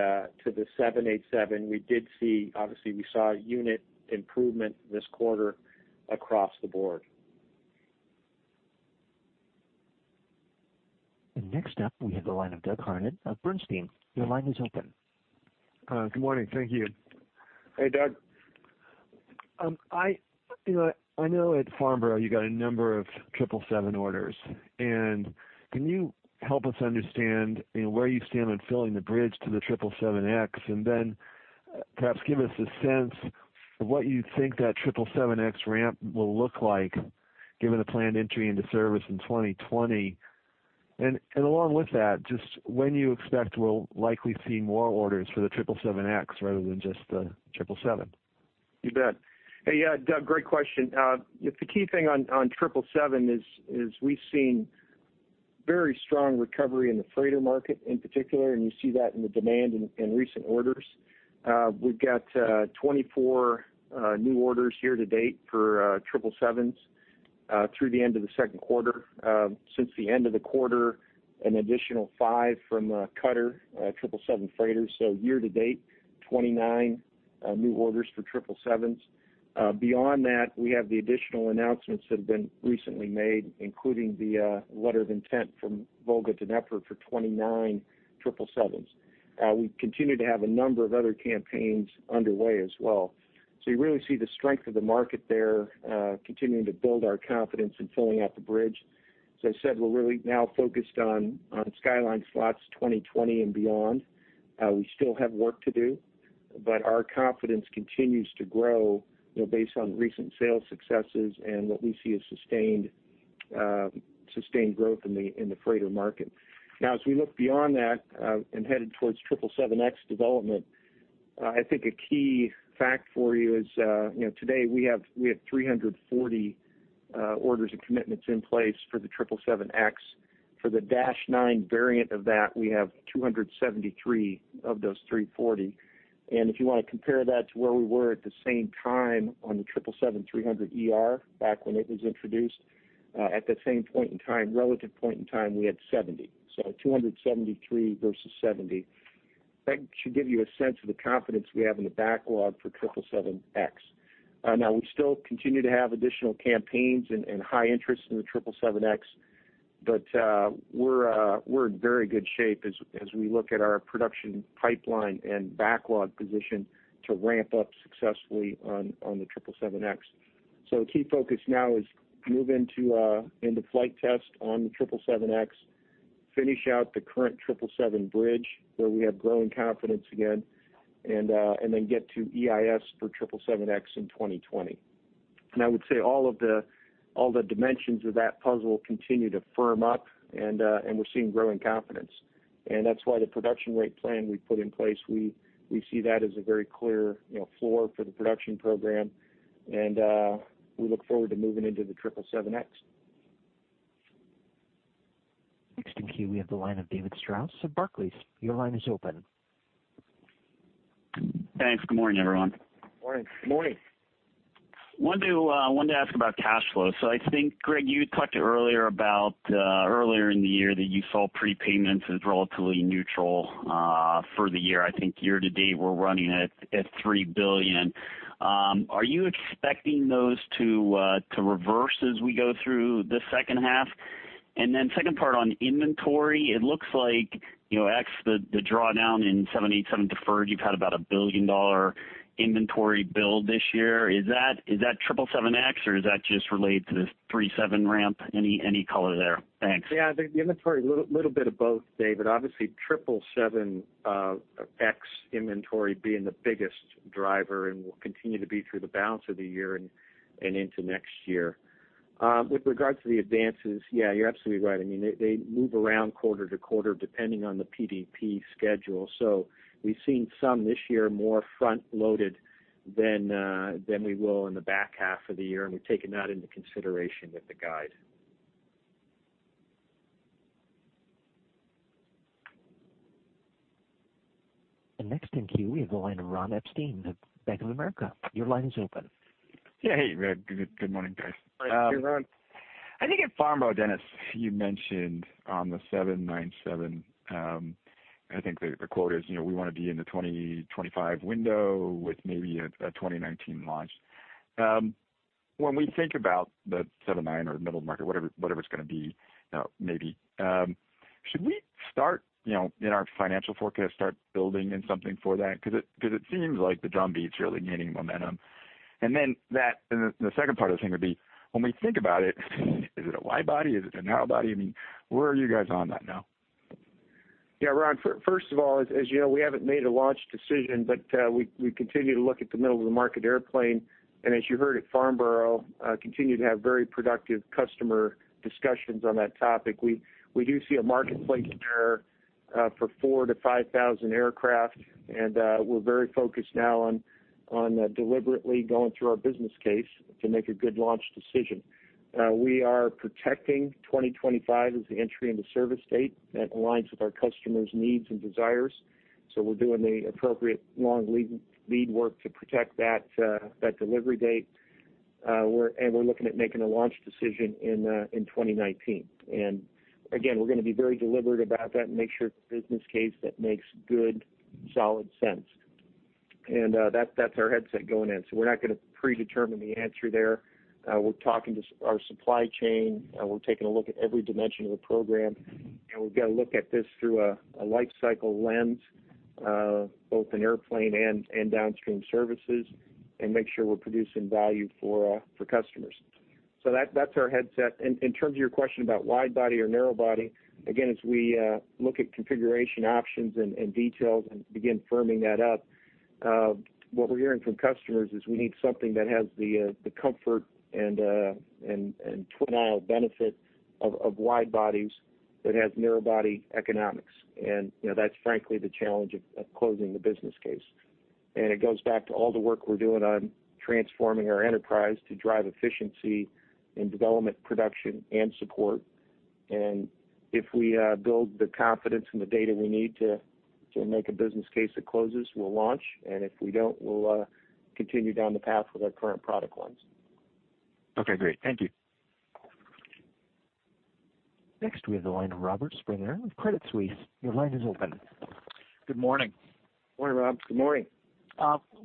787, obviously we saw unit improvement this quarter across the board. Next up we have the line of Douglas Harned of Bernstein. Your line is open. Good morning. Thank you. Hey, Doug. I know at Farnborough you got a number of 777 orders. Can you help us understand where you stand on filling the bridge to the 777X? Perhaps give us a sense of what you think that 777X ramp will look like given the planned entry into service in 2020. Just when you expect we'll likely see more orders for the 777X rather than just the 777. You bet. Hey, Doug, great question. The key thing on 777 is we've seen very strong recovery in the freighter market in particular, and you see that in the demand in recent orders. We've got 24 new orders year to date for 777s through the end of the second quarter. Since the end of the quarter, an additional five from Qatar 777 freighters. Year to date, 29 new orders for 777s. Beyond that, we have the additional announcements that have been recently made, including the letter of intent from Volga-Dnepr for 29 777s. We continue to have a number of other campaigns underway as well. You really see the strength of the market there continuing to build our confidence in filling out the bridge. As I said, we're really now focused on skyline slots 2020 and beyond. We still have work to do, but our confidence continues to grow based on recent sales successes and what we see as sustained growth in the freighter market. As we look beyond that and headed towards 777X development, I think a key fact for you is, today we have 340 orders and commitments in place for the 777X. For the -9 variant of that we have 273 of those 340. If you want to compare that to where we were at the same time on the 777-300ER back when it was introduced, at that same relative point in time, we had 70. 273 versus 70. That should give you a sense of the confidence we have in the backlog for 777X. We still continue to have additional campaigns and high interest in the 777X, we're in very good shape as we look at our production pipeline and backlog position to ramp up successfully on the 777X. Key focus now is move into flight test on the 777X, finish out the current 777 bridge where we have growing confidence again, then get to EIS for 777X in 2020. I would say all the dimensions of that puzzle continue to firm up and we're seeing growing confidence. That's why the production rate plan we put in place, we see that as a very clear floor for the production program, and we look forward to moving into the 777X. Next in queue we have the line of David Strauss of Barclays. Your line is open. Thanks. Good morning, everyone. Morning. Good morning. I wanted to ask about cash flow. I think, Greg, you talked earlier about earlier in the year that you saw prepayments as relatively neutral for the year. I think year to date, we're running at $3 billion. Are you expecting those to reverse as we go through the second half? Second part on inventory, it looks like, ex the drawdown in 787 deferred, you've had about a billion-dollar inventory build this year. Is that 777X or does that just relate to the 737 ramp? Any color there? Thanks. Yeah, the inventory, little bit of both, David. Obviously 777X inventory being the biggest driver and will continue to be through the balance of the year and into next year. With regards to the advances, yeah, you're absolutely right. They move around quarter to quarter depending on the PDP schedule. We've seen some this year more front-loaded than we will in the back half of the year, and we've taken that into consideration with the guide. Next in queue, we have the line of Ronald Epstein of Bank of America. Your line is open. Yeah. Hey, good morning, guys. Morning, Ron. I think at Farnborough, Dennis, you mentioned on the 797, I think the quote is, "We want to be in the 2020, 2025 window with maybe a 2019 launch." When we think about the 79 or middle market, whatever it's going to be, maybe. Should we, in our financial forecast, start building in something for that? Because it seems like the drumbeat's really gaining momentum. The second part of this thing would be, when we think about it, is it a wide-body? Is it a narrow-body? Where are you guys on that now? Yeah, Ron, first of all, as you know, we haven't made a launch decision, but we continue to look at the middle of the market airplane, as you heard at Farnborough, continue to have very productive customer discussions on that topic. We do see a marketplace there for 4,000 to 5,000 aircraft. We're very focused now on deliberately going through our business case to make a good launch decision. We are protecting 2025 as the entry into service date. That aligns with our customers' needs and desires. We're doing the appropriate long lead work to protect that delivery date. We're looking at making a launch decision in 2019. Again, we're going to be very deliberate about that and make sure it's a business case that makes good, solid sense. That's our mindset going in. We're not going to predetermine the answer there. We're talking to our supply chain. We're taking a look at every dimension of the program, and we've got to look at this through a life cycle lens, both in airplane and downstream services, and make sure we're producing value for customers. That's our headset. In terms of your question about wide body or narrow body, again, as we look at configuration options and details and begin firming that up, what we're hearing from customers is we need something that has the comfort and twin aisle benefit of wide bodies that has narrow body economics. That's frankly the challenge of closing the business case. It goes back to all the work we're doing on transforming our enterprise to drive efficiency in development, production, and support. If we build the confidence and the data we need to make a business case that closes, we'll launch. If we don't, we'll continue down the path with our current product lines. Okay, great. Thank you. Next, we have the line of Robert Stallard with Credit Suisse. Your line is open. Good morning. Morning, Rob. Good morning.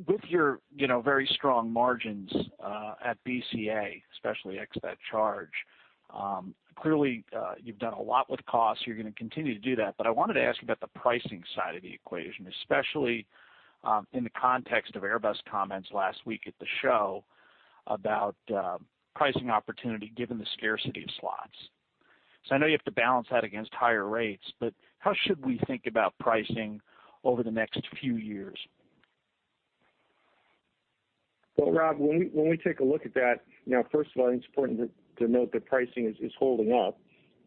With your very strong margins, at BCA, especially ex that charge, clearly, you've done a lot with costs. You're going to continue to do that. I wanted to ask about the pricing side of the equation, especially in the context of Airbus comments last week at the show about pricing opportunity given the scarcity of slots. I know you have to balance that against higher rates, but how should we think about pricing over the next few years? Well, Rob, when we take a look at that, first of all, I think it's important to note that pricing is holding up.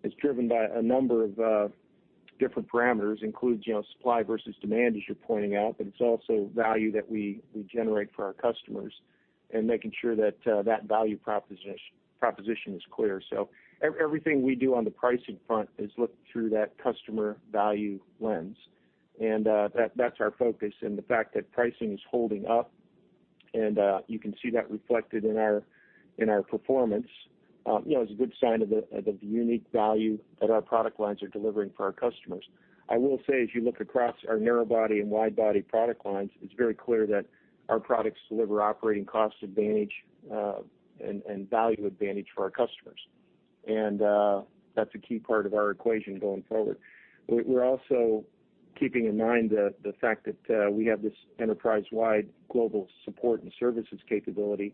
It's driven by a number of different parameters, includes supply versus demand, as you're pointing out, but it's also value that we generate for our customers and making sure that value proposition is clear. Everything we do on the pricing front is looked through that customer value lens. That's our focus. The fact that pricing is holding up, and you can see that reflected in our performance, is a good sign of the unique value that our product lines are delivering for our customers. I will say, as you look across our narrow body and wide body product lines, it's very clear that our products deliver operating cost advantage, and value advantage for our customers. That's a key part of our equation going forward. We're also keeping in mind the fact that we have this enterprise-wide global support and services capability.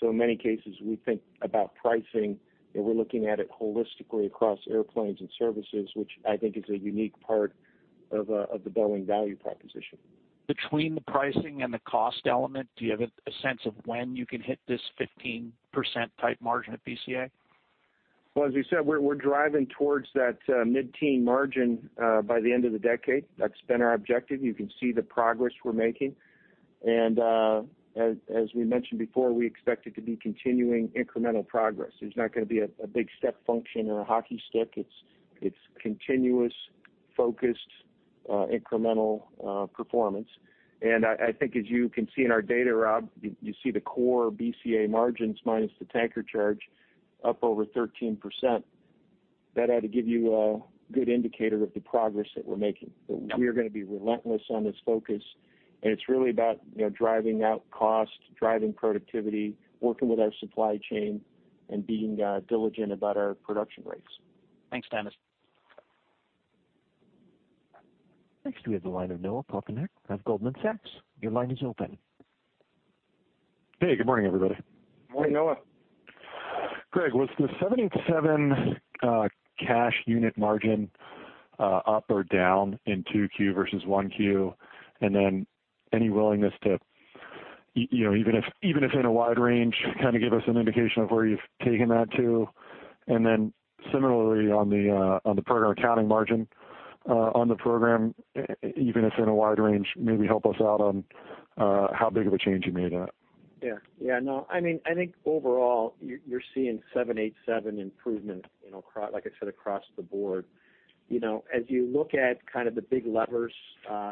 In many cases, we think about pricing, and we're looking at it holistically across airplanes and services, which I think is a unique part of the Boeing value proposition. Between the pricing and the cost element, do you have a sense of when you can hit this 15%-type margin at BCA? Well, as we said, we're driving towards that mid-teen margin by the end of the decade. That's been our objective. You can see the progress we're making. As we mentioned before, we expect it to be continuing incremental progress. There's not going to be a big step function or a hockey stick. It's continuous, focused, incremental performance. I think as you can see in our data, Rob, you see the core BCA margins minus the tanker charge up over 13%. That ought to give you a good indicator of the progress that we're making. We are going to be relentless on this focus, and it's really about driving out cost, driving productivity, working with our supply chain, and being diligent about our production rates. Thanks, Dennis. Next, we have the line of Noah Poponak of Goldman Sachs. Your line is open. Hey, good morning, everybody. Morning, Noah. Greg, was the 787 cash unit margin up or down in 2Q versus 1Q? Any willingness to, even if in a wide range, kind of give us an indication of where you've taken that to? Similarly, on the program accounting margin on the program, even if in a wide range, maybe help us out on how big of a change you made at. Yeah. No, I think overall, you're seeing 787 improvement, like I said, across the board. As you look at the big levers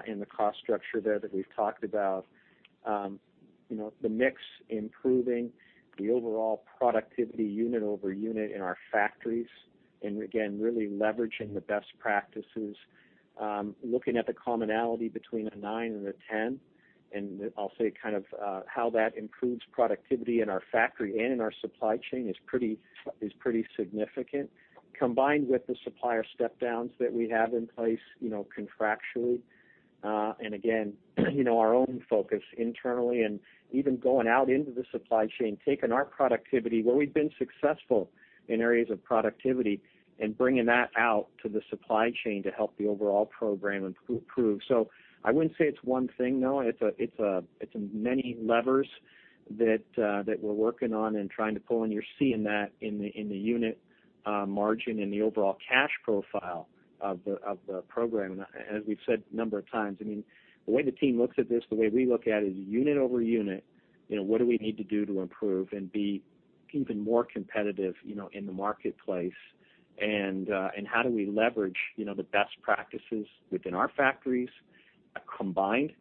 in the cost structure there that we've talked about, the mix improving the overall productivity unit over unit in our factories, again, really leveraging the best practices. Looking at the commonality between a nine and a 10, and I'll say kind of how that improves productivity in our factory and in our supply chain is pretty significant. Combined with the supplier step downs that we have in place contractually. Again, our own focus internally and even going out into the supply chain, taking our productivity where we've been successful in areas of productivity, and bringing that out to the supply chain to help the overall program improve. I wouldn't say it's one thing, Noah, it's many levers that we're working on and trying to pull, and you're seeing that in the unit margin and the overall cash profile of the program. As we've said a number of times, the way the team looks at this, the way we look at it, is unit over unit, what do we need to do to improve and be even more competitive in the marketplace? How do we leverage the best practices within our factories, combined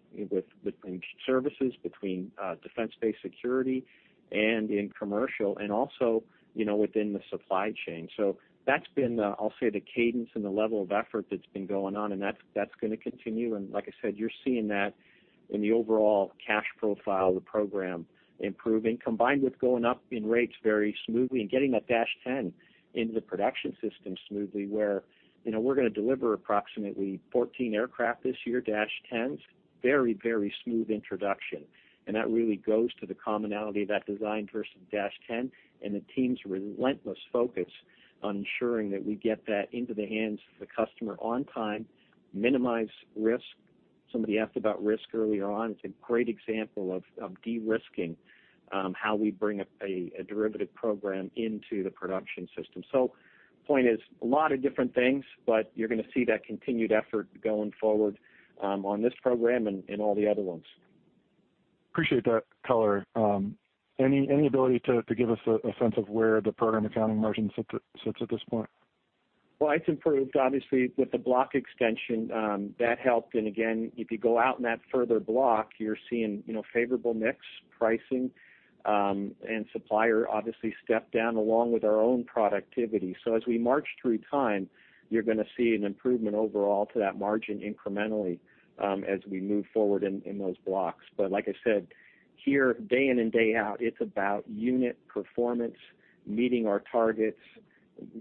between services, between Defense, Space & Security, and in commercial, also within the supply chain. That's been, I'll say, the cadence and the level of effort that's been going on, and that's going to continue. Like I said, you're seeing that in the overall cash profile of the program improving, combined with going up in rates very smoothly and getting that Dash 10 into the production system smoothly, where we're going to deliver approximately 14 aircraft this year, Dash 10s. Very smooth introduction. That really goes to the commonality of that design versus Dash 10, and the team's relentless focus on ensuring that we get that into the hands of the customer on time, minimize risk. Somebody asked about risk earlier on. It's a great example of de-risking how we bring a derivative program into the production system. The point is, a lot of different things, you're going to see that continued effort going forward on this program and in all the other ones. Appreciate that color. Any ability to give us a sense of where the program accounting margin sits at this point? It's improved, obviously, with the block extension, that helped. Again, if you go out in that further block, you're seeing favorable mix pricing, and supplier obviously stepped down along with our own productivity. As we march through time, you're going to see an improvement overall to that margin incrementally as we move forward in those blocks. Like I said, here, day in and day out, it's about unit performance, meeting our targets,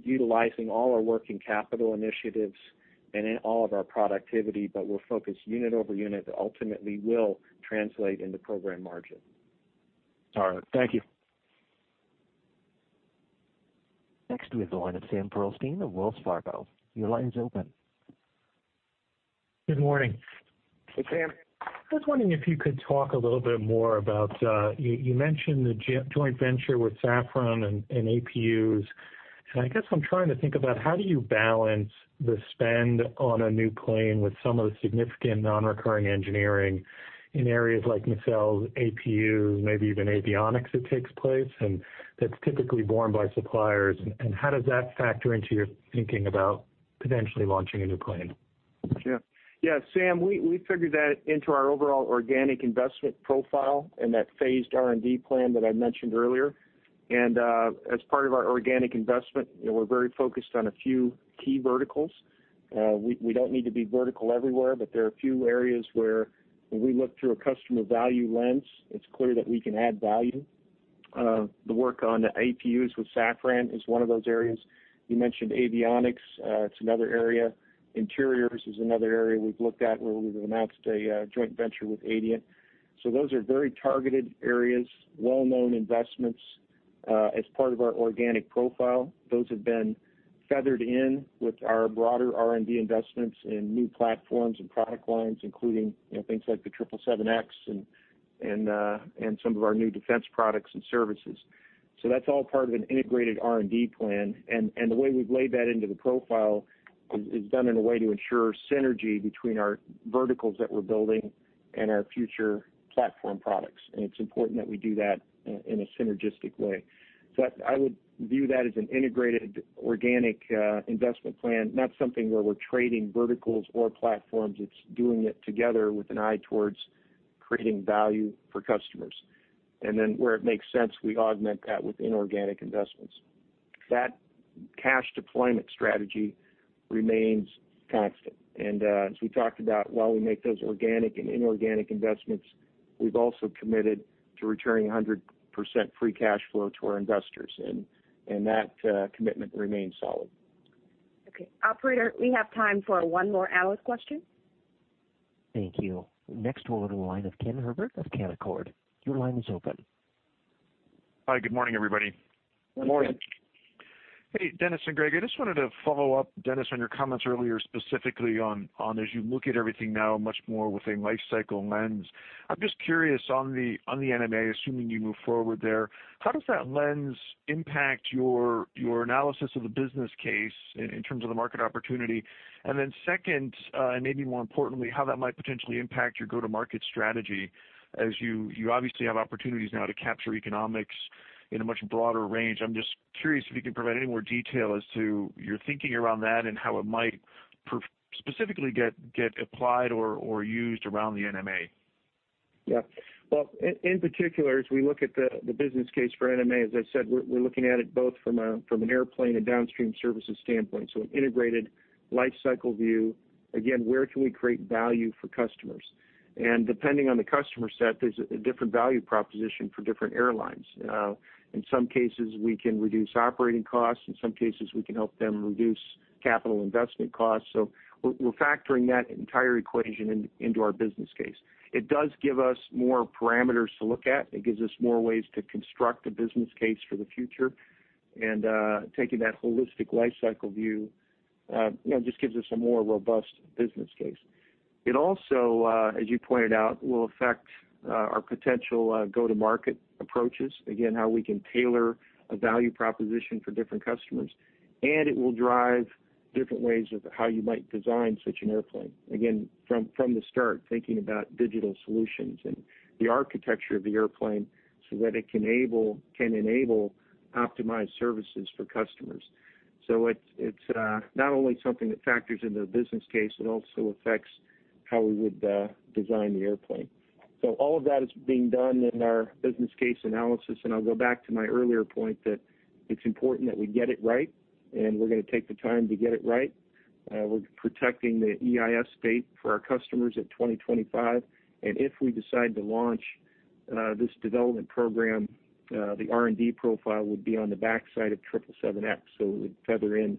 utilizing all our working capital initiatives, and in all of our productivity. We're focused unit over unit that ultimately will translate into program margin. All right. Thank you. Next, we have the line of Sam Pearlstein of Wells Fargo. Your line is open. Good morning. Hey, Seth. I was wondering if you could talk a little bit more about, you mentioned the joint venture with Safran and APUs. I guess I'm trying to think about how do you balance the spend on a new plane with some of the significant non-recurring engineering in areas like Nacelles, APU, maybe even avionics that takes place, that's typically borne by suppliers, and how does that factor into your thinking about potentially launching a new plane? Yeah. Seth, we figured that into our overall organic investment profile and that phased R&D plan that I mentioned earlier. As part of our organic investment, we're very focused on a few key verticals. We don't need to be vertical everywhere, but there are a few areas where when we look through a customer value lens, it's clear that we can add value. The work on the APUs with Safran is one of those areas. You mentioned avionics. It's another area. Interiors is another area we've looked at where we've announced a joint venture with Adient. Those are very targeted areas, well-known investments as part of our organic profile. Those have been feathered in with our broader R&D investments in new platforms and product lines, including things like the 777X and some of our new defense products and services. That's all part of an integrated R&D plan, the way we've laid that into the profile is done in a way to ensure synergy between our verticals that we're building and our future platform products. It's important that we do that in a synergistic way. I would view that as an integrated organic investment plan, not something where we're trading verticals or platforms. It's doing it together with an eye towards creating value for customers. Then where it makes sense, we augment that with inorganic investments. That cash deployment strategy remains constant. As we talked about, while we make those organic and inorganic investments, we've also committed to returning 100% free cash flow to our investors, that commitment remains solid. Okay, operator, we have time for one more analyst question. Thank you. We'll go to the line of Ken Herbert of Canaccord. Your line is open. Hi, good morning, everybody. Morning. Hey, Dennis and Greg. I just wanted to follow up, Dennis, on your comments earlier, specifically on, as you look at everything now much more with a life cycle lens. I'm just curious on the NMA, assuming you move forward there, how does that lens impact your analysis of the business case in terms of the market opportunity? Second, maybe more importantly, how that might potentially impact your go-to-market strategy as you obviously have opportunities now to capture economics in a much broader range. I'm just curious if you can provide any more detail as to your thinking around that and how it might specifically get applied or used around the NMA. Well, in particular, as we look at the business case for NMA, as I said, we're looking at it both from an airplane and downstream services standpoint, so an integrated life cycle view. Where can we create value for customers? Depending on the customer set, there's a different value proposition for different airlines. In some cases, we can reduce operating costs. In some cases, we can help them reduce capital investment costs. We're factoring that entire equation into our business case. It does give us more parameters to look at. It gives us more ways to construct a business case for the future. Taking that holistic life cycle view, just gives us a more robust business case. It also, as you pointed out, will affect our potential go-to-market approaches. How we can tailor a value proposition for different customers. It will drive different ways of how you might design such an airplane. From the start, thinking about digital solutions and the architecture of the airplane so that it can enable optimized services for customers. It's not only something that factors into the business case, it also affects how we would design the airplane. All of that is being done in our business case analysis. I'll go back to my earlier point that it's important that we get it right. We're going to take the time to get it right. We're protecting the EIS date for our customers at 2025. If we decide to launch this development program, the R&D profile would be on the backside of 777X. It would feather in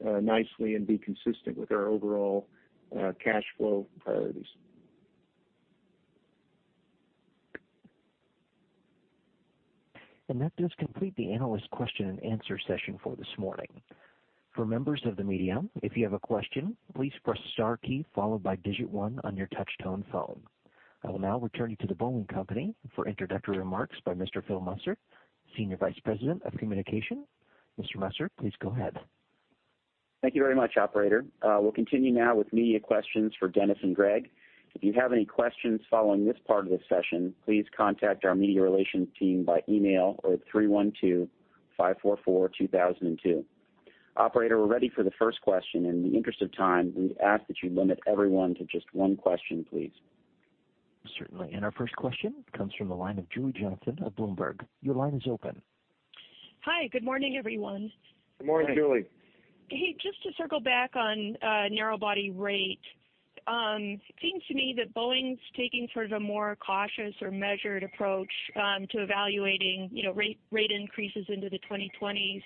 nicely and be consistent with our overall cash flow priorities. That does complete the analyst question and answer session for this morning. For members of the media, if you have a question, please press star key followed by digit 1 on your touch-tone phone. I will now return you to The Boeing Company for introductory remarks by Mr. Phil Musser, Senior Vice President of Communication. Mr. Musser, please go ahead. Thank you very much, operator. We'll continue now with media questions for Dennis and Greg. If you have any questions following this part of the session, please contact our media relations team by email or 312-544-2002. Operator, we're ready for the first question. In the interest of time, we ask that you limit everyone to just one question, please. Certainly. Our first question comes from the line of Julie Johnsson of Bloomberg. Your line is open. Hi. Good morning, everyone. Good morning, Julie. Hey, just to circle back on narrow-body rate. It seems to me that Boeing's taking sort of a more cautious or measured approach to evaluating rate increases into the 2020s,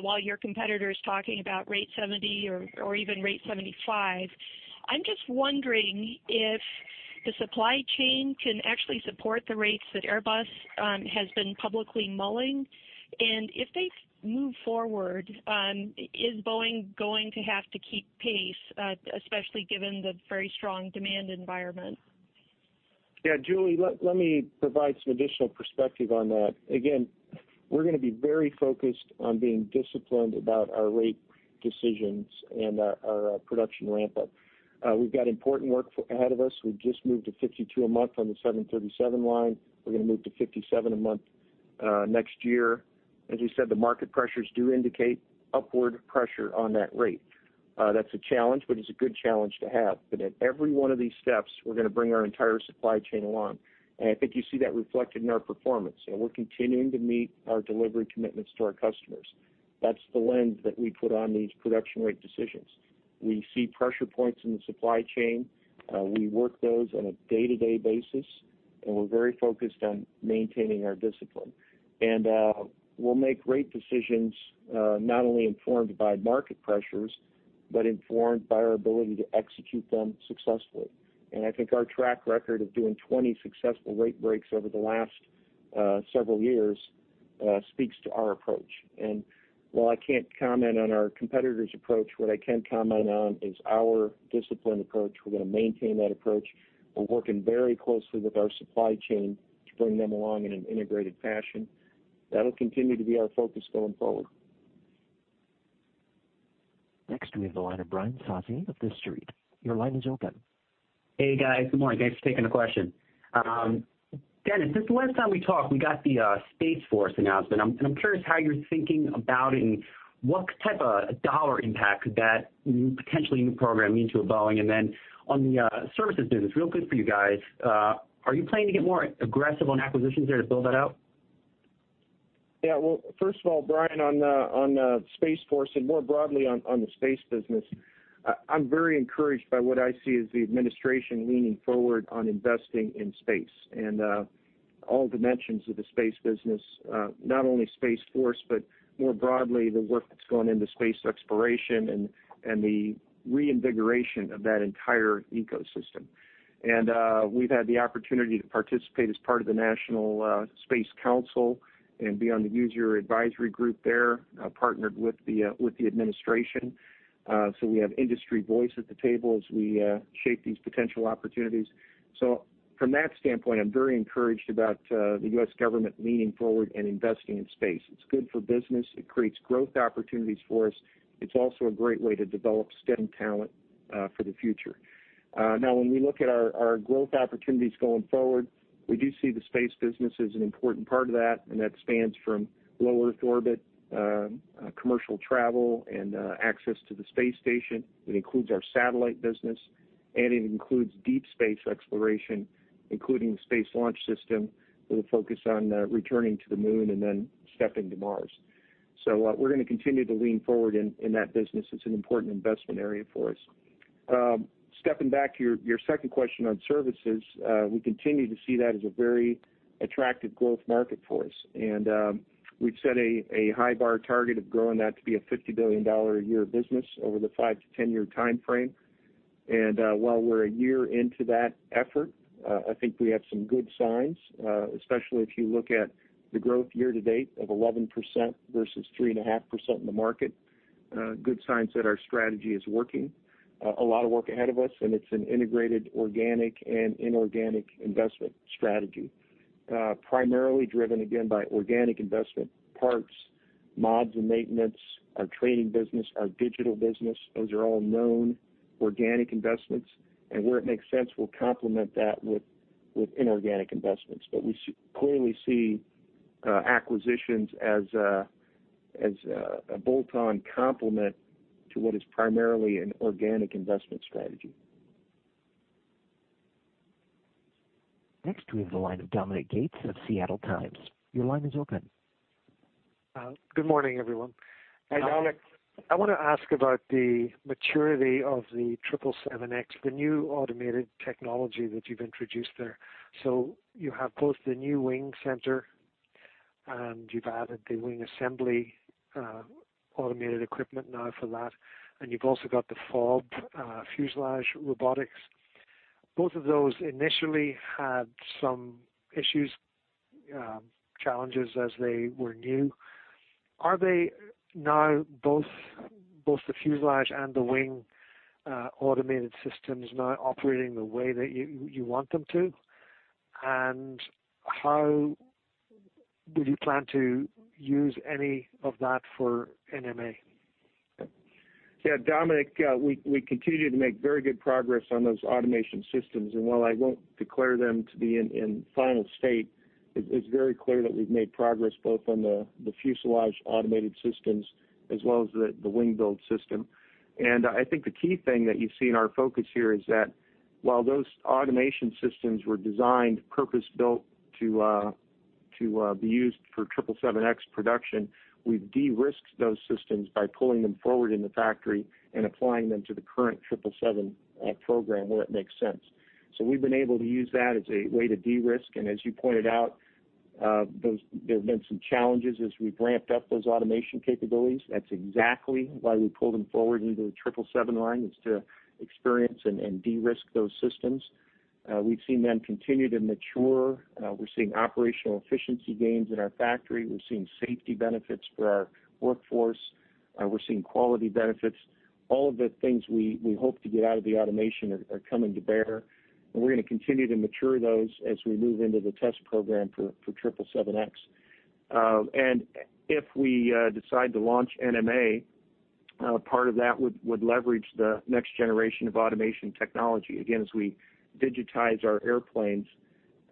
while your competitor is talking about rate 70 or even rate 75. I'm just wondering if the supply chain can actually support the rates that Airbus has been publicly mulling. If they move forward, is Boeing going to have to keep pace, especially given the very strong demand environment? Julie, let me provide some additional perspective on that. We're going to be very focused on being disciplined about our rate decisions and our production ramp up. We've got important work ahead of us. We've just moved to 52 a month on the 737 line. We're going to move to 57 a month next year. As you said, the market pressures do indicate upward pressure on that rate. That's a challenge, but it's a good challenge to have. At every one of these steps, we're going to bring our entire supply chain along. I think you see that reflected in our performance. We're continuing to meet our delivery commitments to our customers. That's the lens that we put on these production rate decisions. We see pressure points in the supply chain. We work those on a day-to-day basis, and we're very focused on maintaining our discipline. We'll make rate decisions not only informed by market pressures, but informed by our ability to execute them successfully. I think our track record of doing 20 successful rate breaks over the last several years speaks to our approach. While I can't comment on our competitor's approach, what I can comment on is our disciplined approach. We're going to maintain that approach. We're working very closely with our supply chain to bring them along in an integrated fashion. That'll continue to be our focus going forward. Next, we have the line of Brian Sozzi of TheStreet. Your line is open. Hey, guys. Good morning. Thanks for taking the question. Dennis, since the last time we talked, we got the Space Force announcement. I'm curious how you're thinking about it and what type of dollar impact could that potentially new program mean to Boeing. Then on the services business, real good for you guys. Are you planning to get more aggressive on acquisitions there to build that out? Well, first of all, Brian, on Space Force and more broadly on the space business, I'm very encouraged by what I see as the administration leaning forward on investing in space and all dimensions of the space business. Not only Space Force, but more broadly, the work that's gone into space exploration and the reinvigoration of that entire ecosystem. We've had the opportunity to participate as part of the National Space Council and be on the user advisory group there, partnered with the administration. We have industry voice at the table as we shape these potential opportunities. From that standpoint, I'm very encouraged about the U.S. government leaning forward and investing in space. It's good for business. It creates growth opportunities for us. It's also a great way to develop STEM talent for the future. When we look at our growth opportunities going forward, we do see the space business as an important part of that, and that spans from low Earth orbit, commercial travel, and access to the space station. It includes our satellite business. It includes deep space exploration, including the Space Launch System with a focus on returning to the moon and then stepping to Mars. We're going to continue to lean forward in that business. It's an important investment area for us. Stepping back to your second question on services, we continue to see that as a very attractive growth market for us. We've set a high bar target of growing that to be a $50 billion a year business over the 5 to 10 year time frame. While we're a year into that effort, I think we have some good signs, especially if you look at the growth year to date of 11% versus 3.5% in the market. Good signs that our strategy is working. A lot of work ahead of us. It's an integrated organic and inorganic investment strategy. Primarily driven, again, by organic investment, parts, mods and maintenance, our training business, our digital business. Those are all known organic investments, and where it makes sense, we'll complement that with inorganic investments. We clearly see acquisitions as a bolt-on complement to what is primarily an organic investment strategy. Next, we have the line of Dominic Gates of The Seattle Times. Your line is open. Good morning, everyone. Hi, Dominic. I want to ask about the maturity of the 777X, the new automated technology that you've introduced there. You have both the new wing center, and you've added the wing assembly automated equipment now for that, you've also got the FAUB, fuselage robotics. Both of those initially had some issues, challenges as they were new. Are they now, both the fuselage and the wing automated systems, now operating the way that you want them to? How would you plan to use any of that for NMA? Yeah, Dominic, we continue to make very good progress on those automation systems. While I won't declare them to be in final state, it's very clear that we've made progress both on the fuselage automated systems as well as the wing build system. I think the key thing that you see in our focus here is that while those automation systems were designed purpose-built to be used for 777X production, we've de-risked those systems by pulling them forward in the factory and applying them to the current 777 program where it makes sense. We've been able to use that as a way to de-risk, and as you pointed out, there have been some challenges as we've ramped up those automation capabilities. That's exactly why we pulled them forward into the 777 line, was to experience and de-risk those systems. We've seen them continue to mature. We're seeing operational efficiency gains in our factory. We're seeing safety benefits for our workforce. We're seeing quality benefits. All of the things we hope to get out of the automation are coming to bear, and we're going to continue to mature those as we move into the test program for 777X. If we decide to launch NMA, part of that would leverage the next generation of automation technology. Again, as we digitize our airplanes,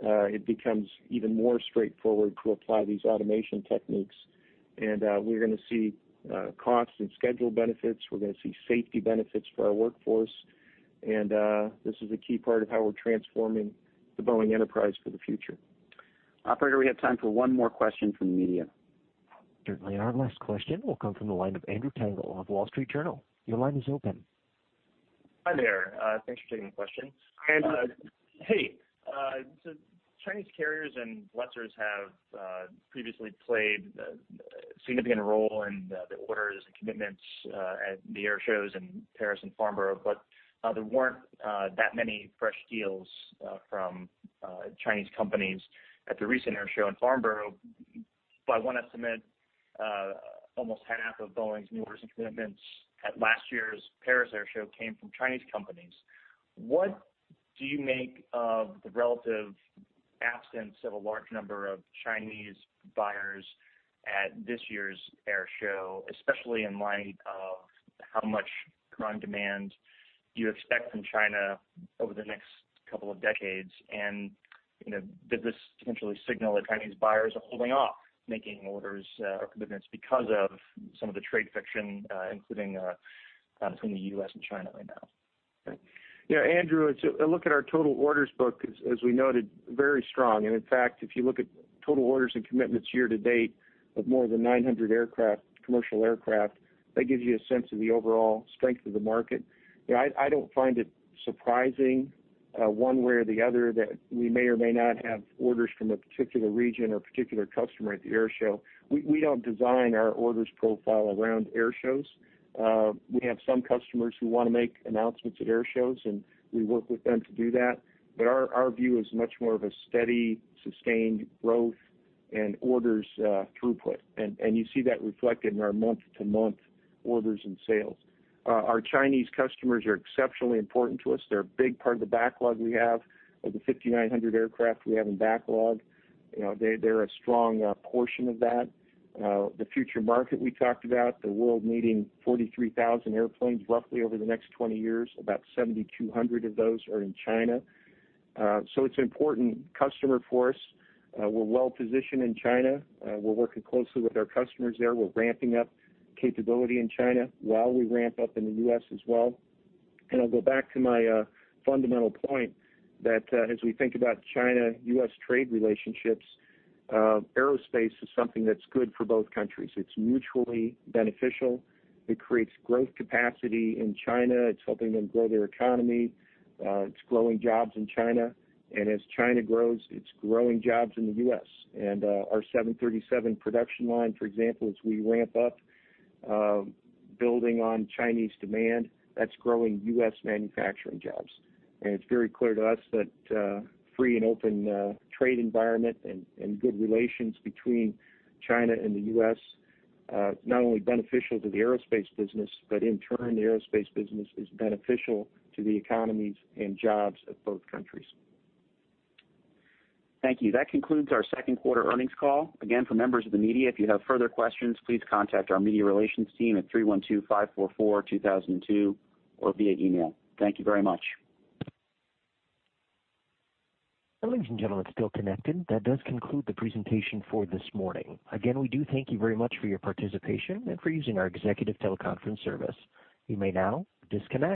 it becomes even more straightforward to apply these automation techniques. We're going to see cost and schedule benefits. We're going to see safety benefits for our workforce. This is a key part of how we're transforming the Boeing enterprise for the future. Operator, we have time for one more question from the media. Certainly. Our last question will come from the line of Andrew Tangel of The Wall Street Journal. Your line is open. Hi there. Thanks for taking the question. Hi, Andrew. Hey. Chinese carriers and lessors have previously played a significant role in the orders and commitments at the air shows in Paris and Farnborough, but there weren't that many fresh deals from Chinese companies at the recent air show in Farnborough. By one estimate, almost half of Boeing's new orders and commitments at last year's Paris Air Show came from Chinese companies. What do you make of the relative absence of a large number of Chinese buyers at this year's air show, especially in light of how much current demand you expect from China over the next couple of decades? Did this potentially signal that Chinese buyers are holding off making orders or commitments because of some of the trade friction, including between the U.S. and China right now? Yeah, Andrew, a look at our total orders book is, as we noted, very strong. In fact, if you look at total orders and commitments year-to-date of more than 900 commercial aircraft, that gives you a sense of the overall strength of the market. I don't find it surprising, one way or the other, that we may or may not have orders from a particular region or particular customer at the air show. We don't design our orders profile around air shows. We have some customers who want to make announcements at air shows, and we work with them to do that. Our view is much more of a steady, sustained growth and orders throughput. You see that reflected in our month-to-month orders and sales. Our Chinese customers are exceptionally important to us. They're a big part of the backlog we have. Of the 5,900 aircraft we have in backlog, they're a strong portion of that. The future market we talked about, the world needing 43,000 airplanes roughly over the next 20 years, about 7,200 of those are in China. It's an important customer for us. We're well positioned in China. We're working closely with our customers there. We're ramping up capability in China while we ramp up in the U.S. as well. I'll go back to my fundamental point that as we think about China-U.S. trade relationships, aerospace is something that's good for both countries. It's mutually beneficial. It creates growth capacity in China. It's helping them grow their economy. It's growing jobs in China. As China grows, it's growing jobs in the U.S. Our 737 production line, for example, as we ramp up building on Chinese demand, that's growing U.S. manufacturing jobs. It's very clear to us that a free and open trade environment and good relations between China and the U.S. is not only beneficial to the aerospace business, but in turn, the aerospace business is beneficial to the economies and jobs of both countries. Thank you. That concludes our second quarter earnings call. Again, for members of the media, if you have further questions, please contact our media relations team at 312-544-2002 or via email. Thank you very much. Ladies and gentlemen still connected, that does conclude the presentation for this morning. Again, we do thank you very much for your participation and for using our executive teleconference service. You may now disconnect.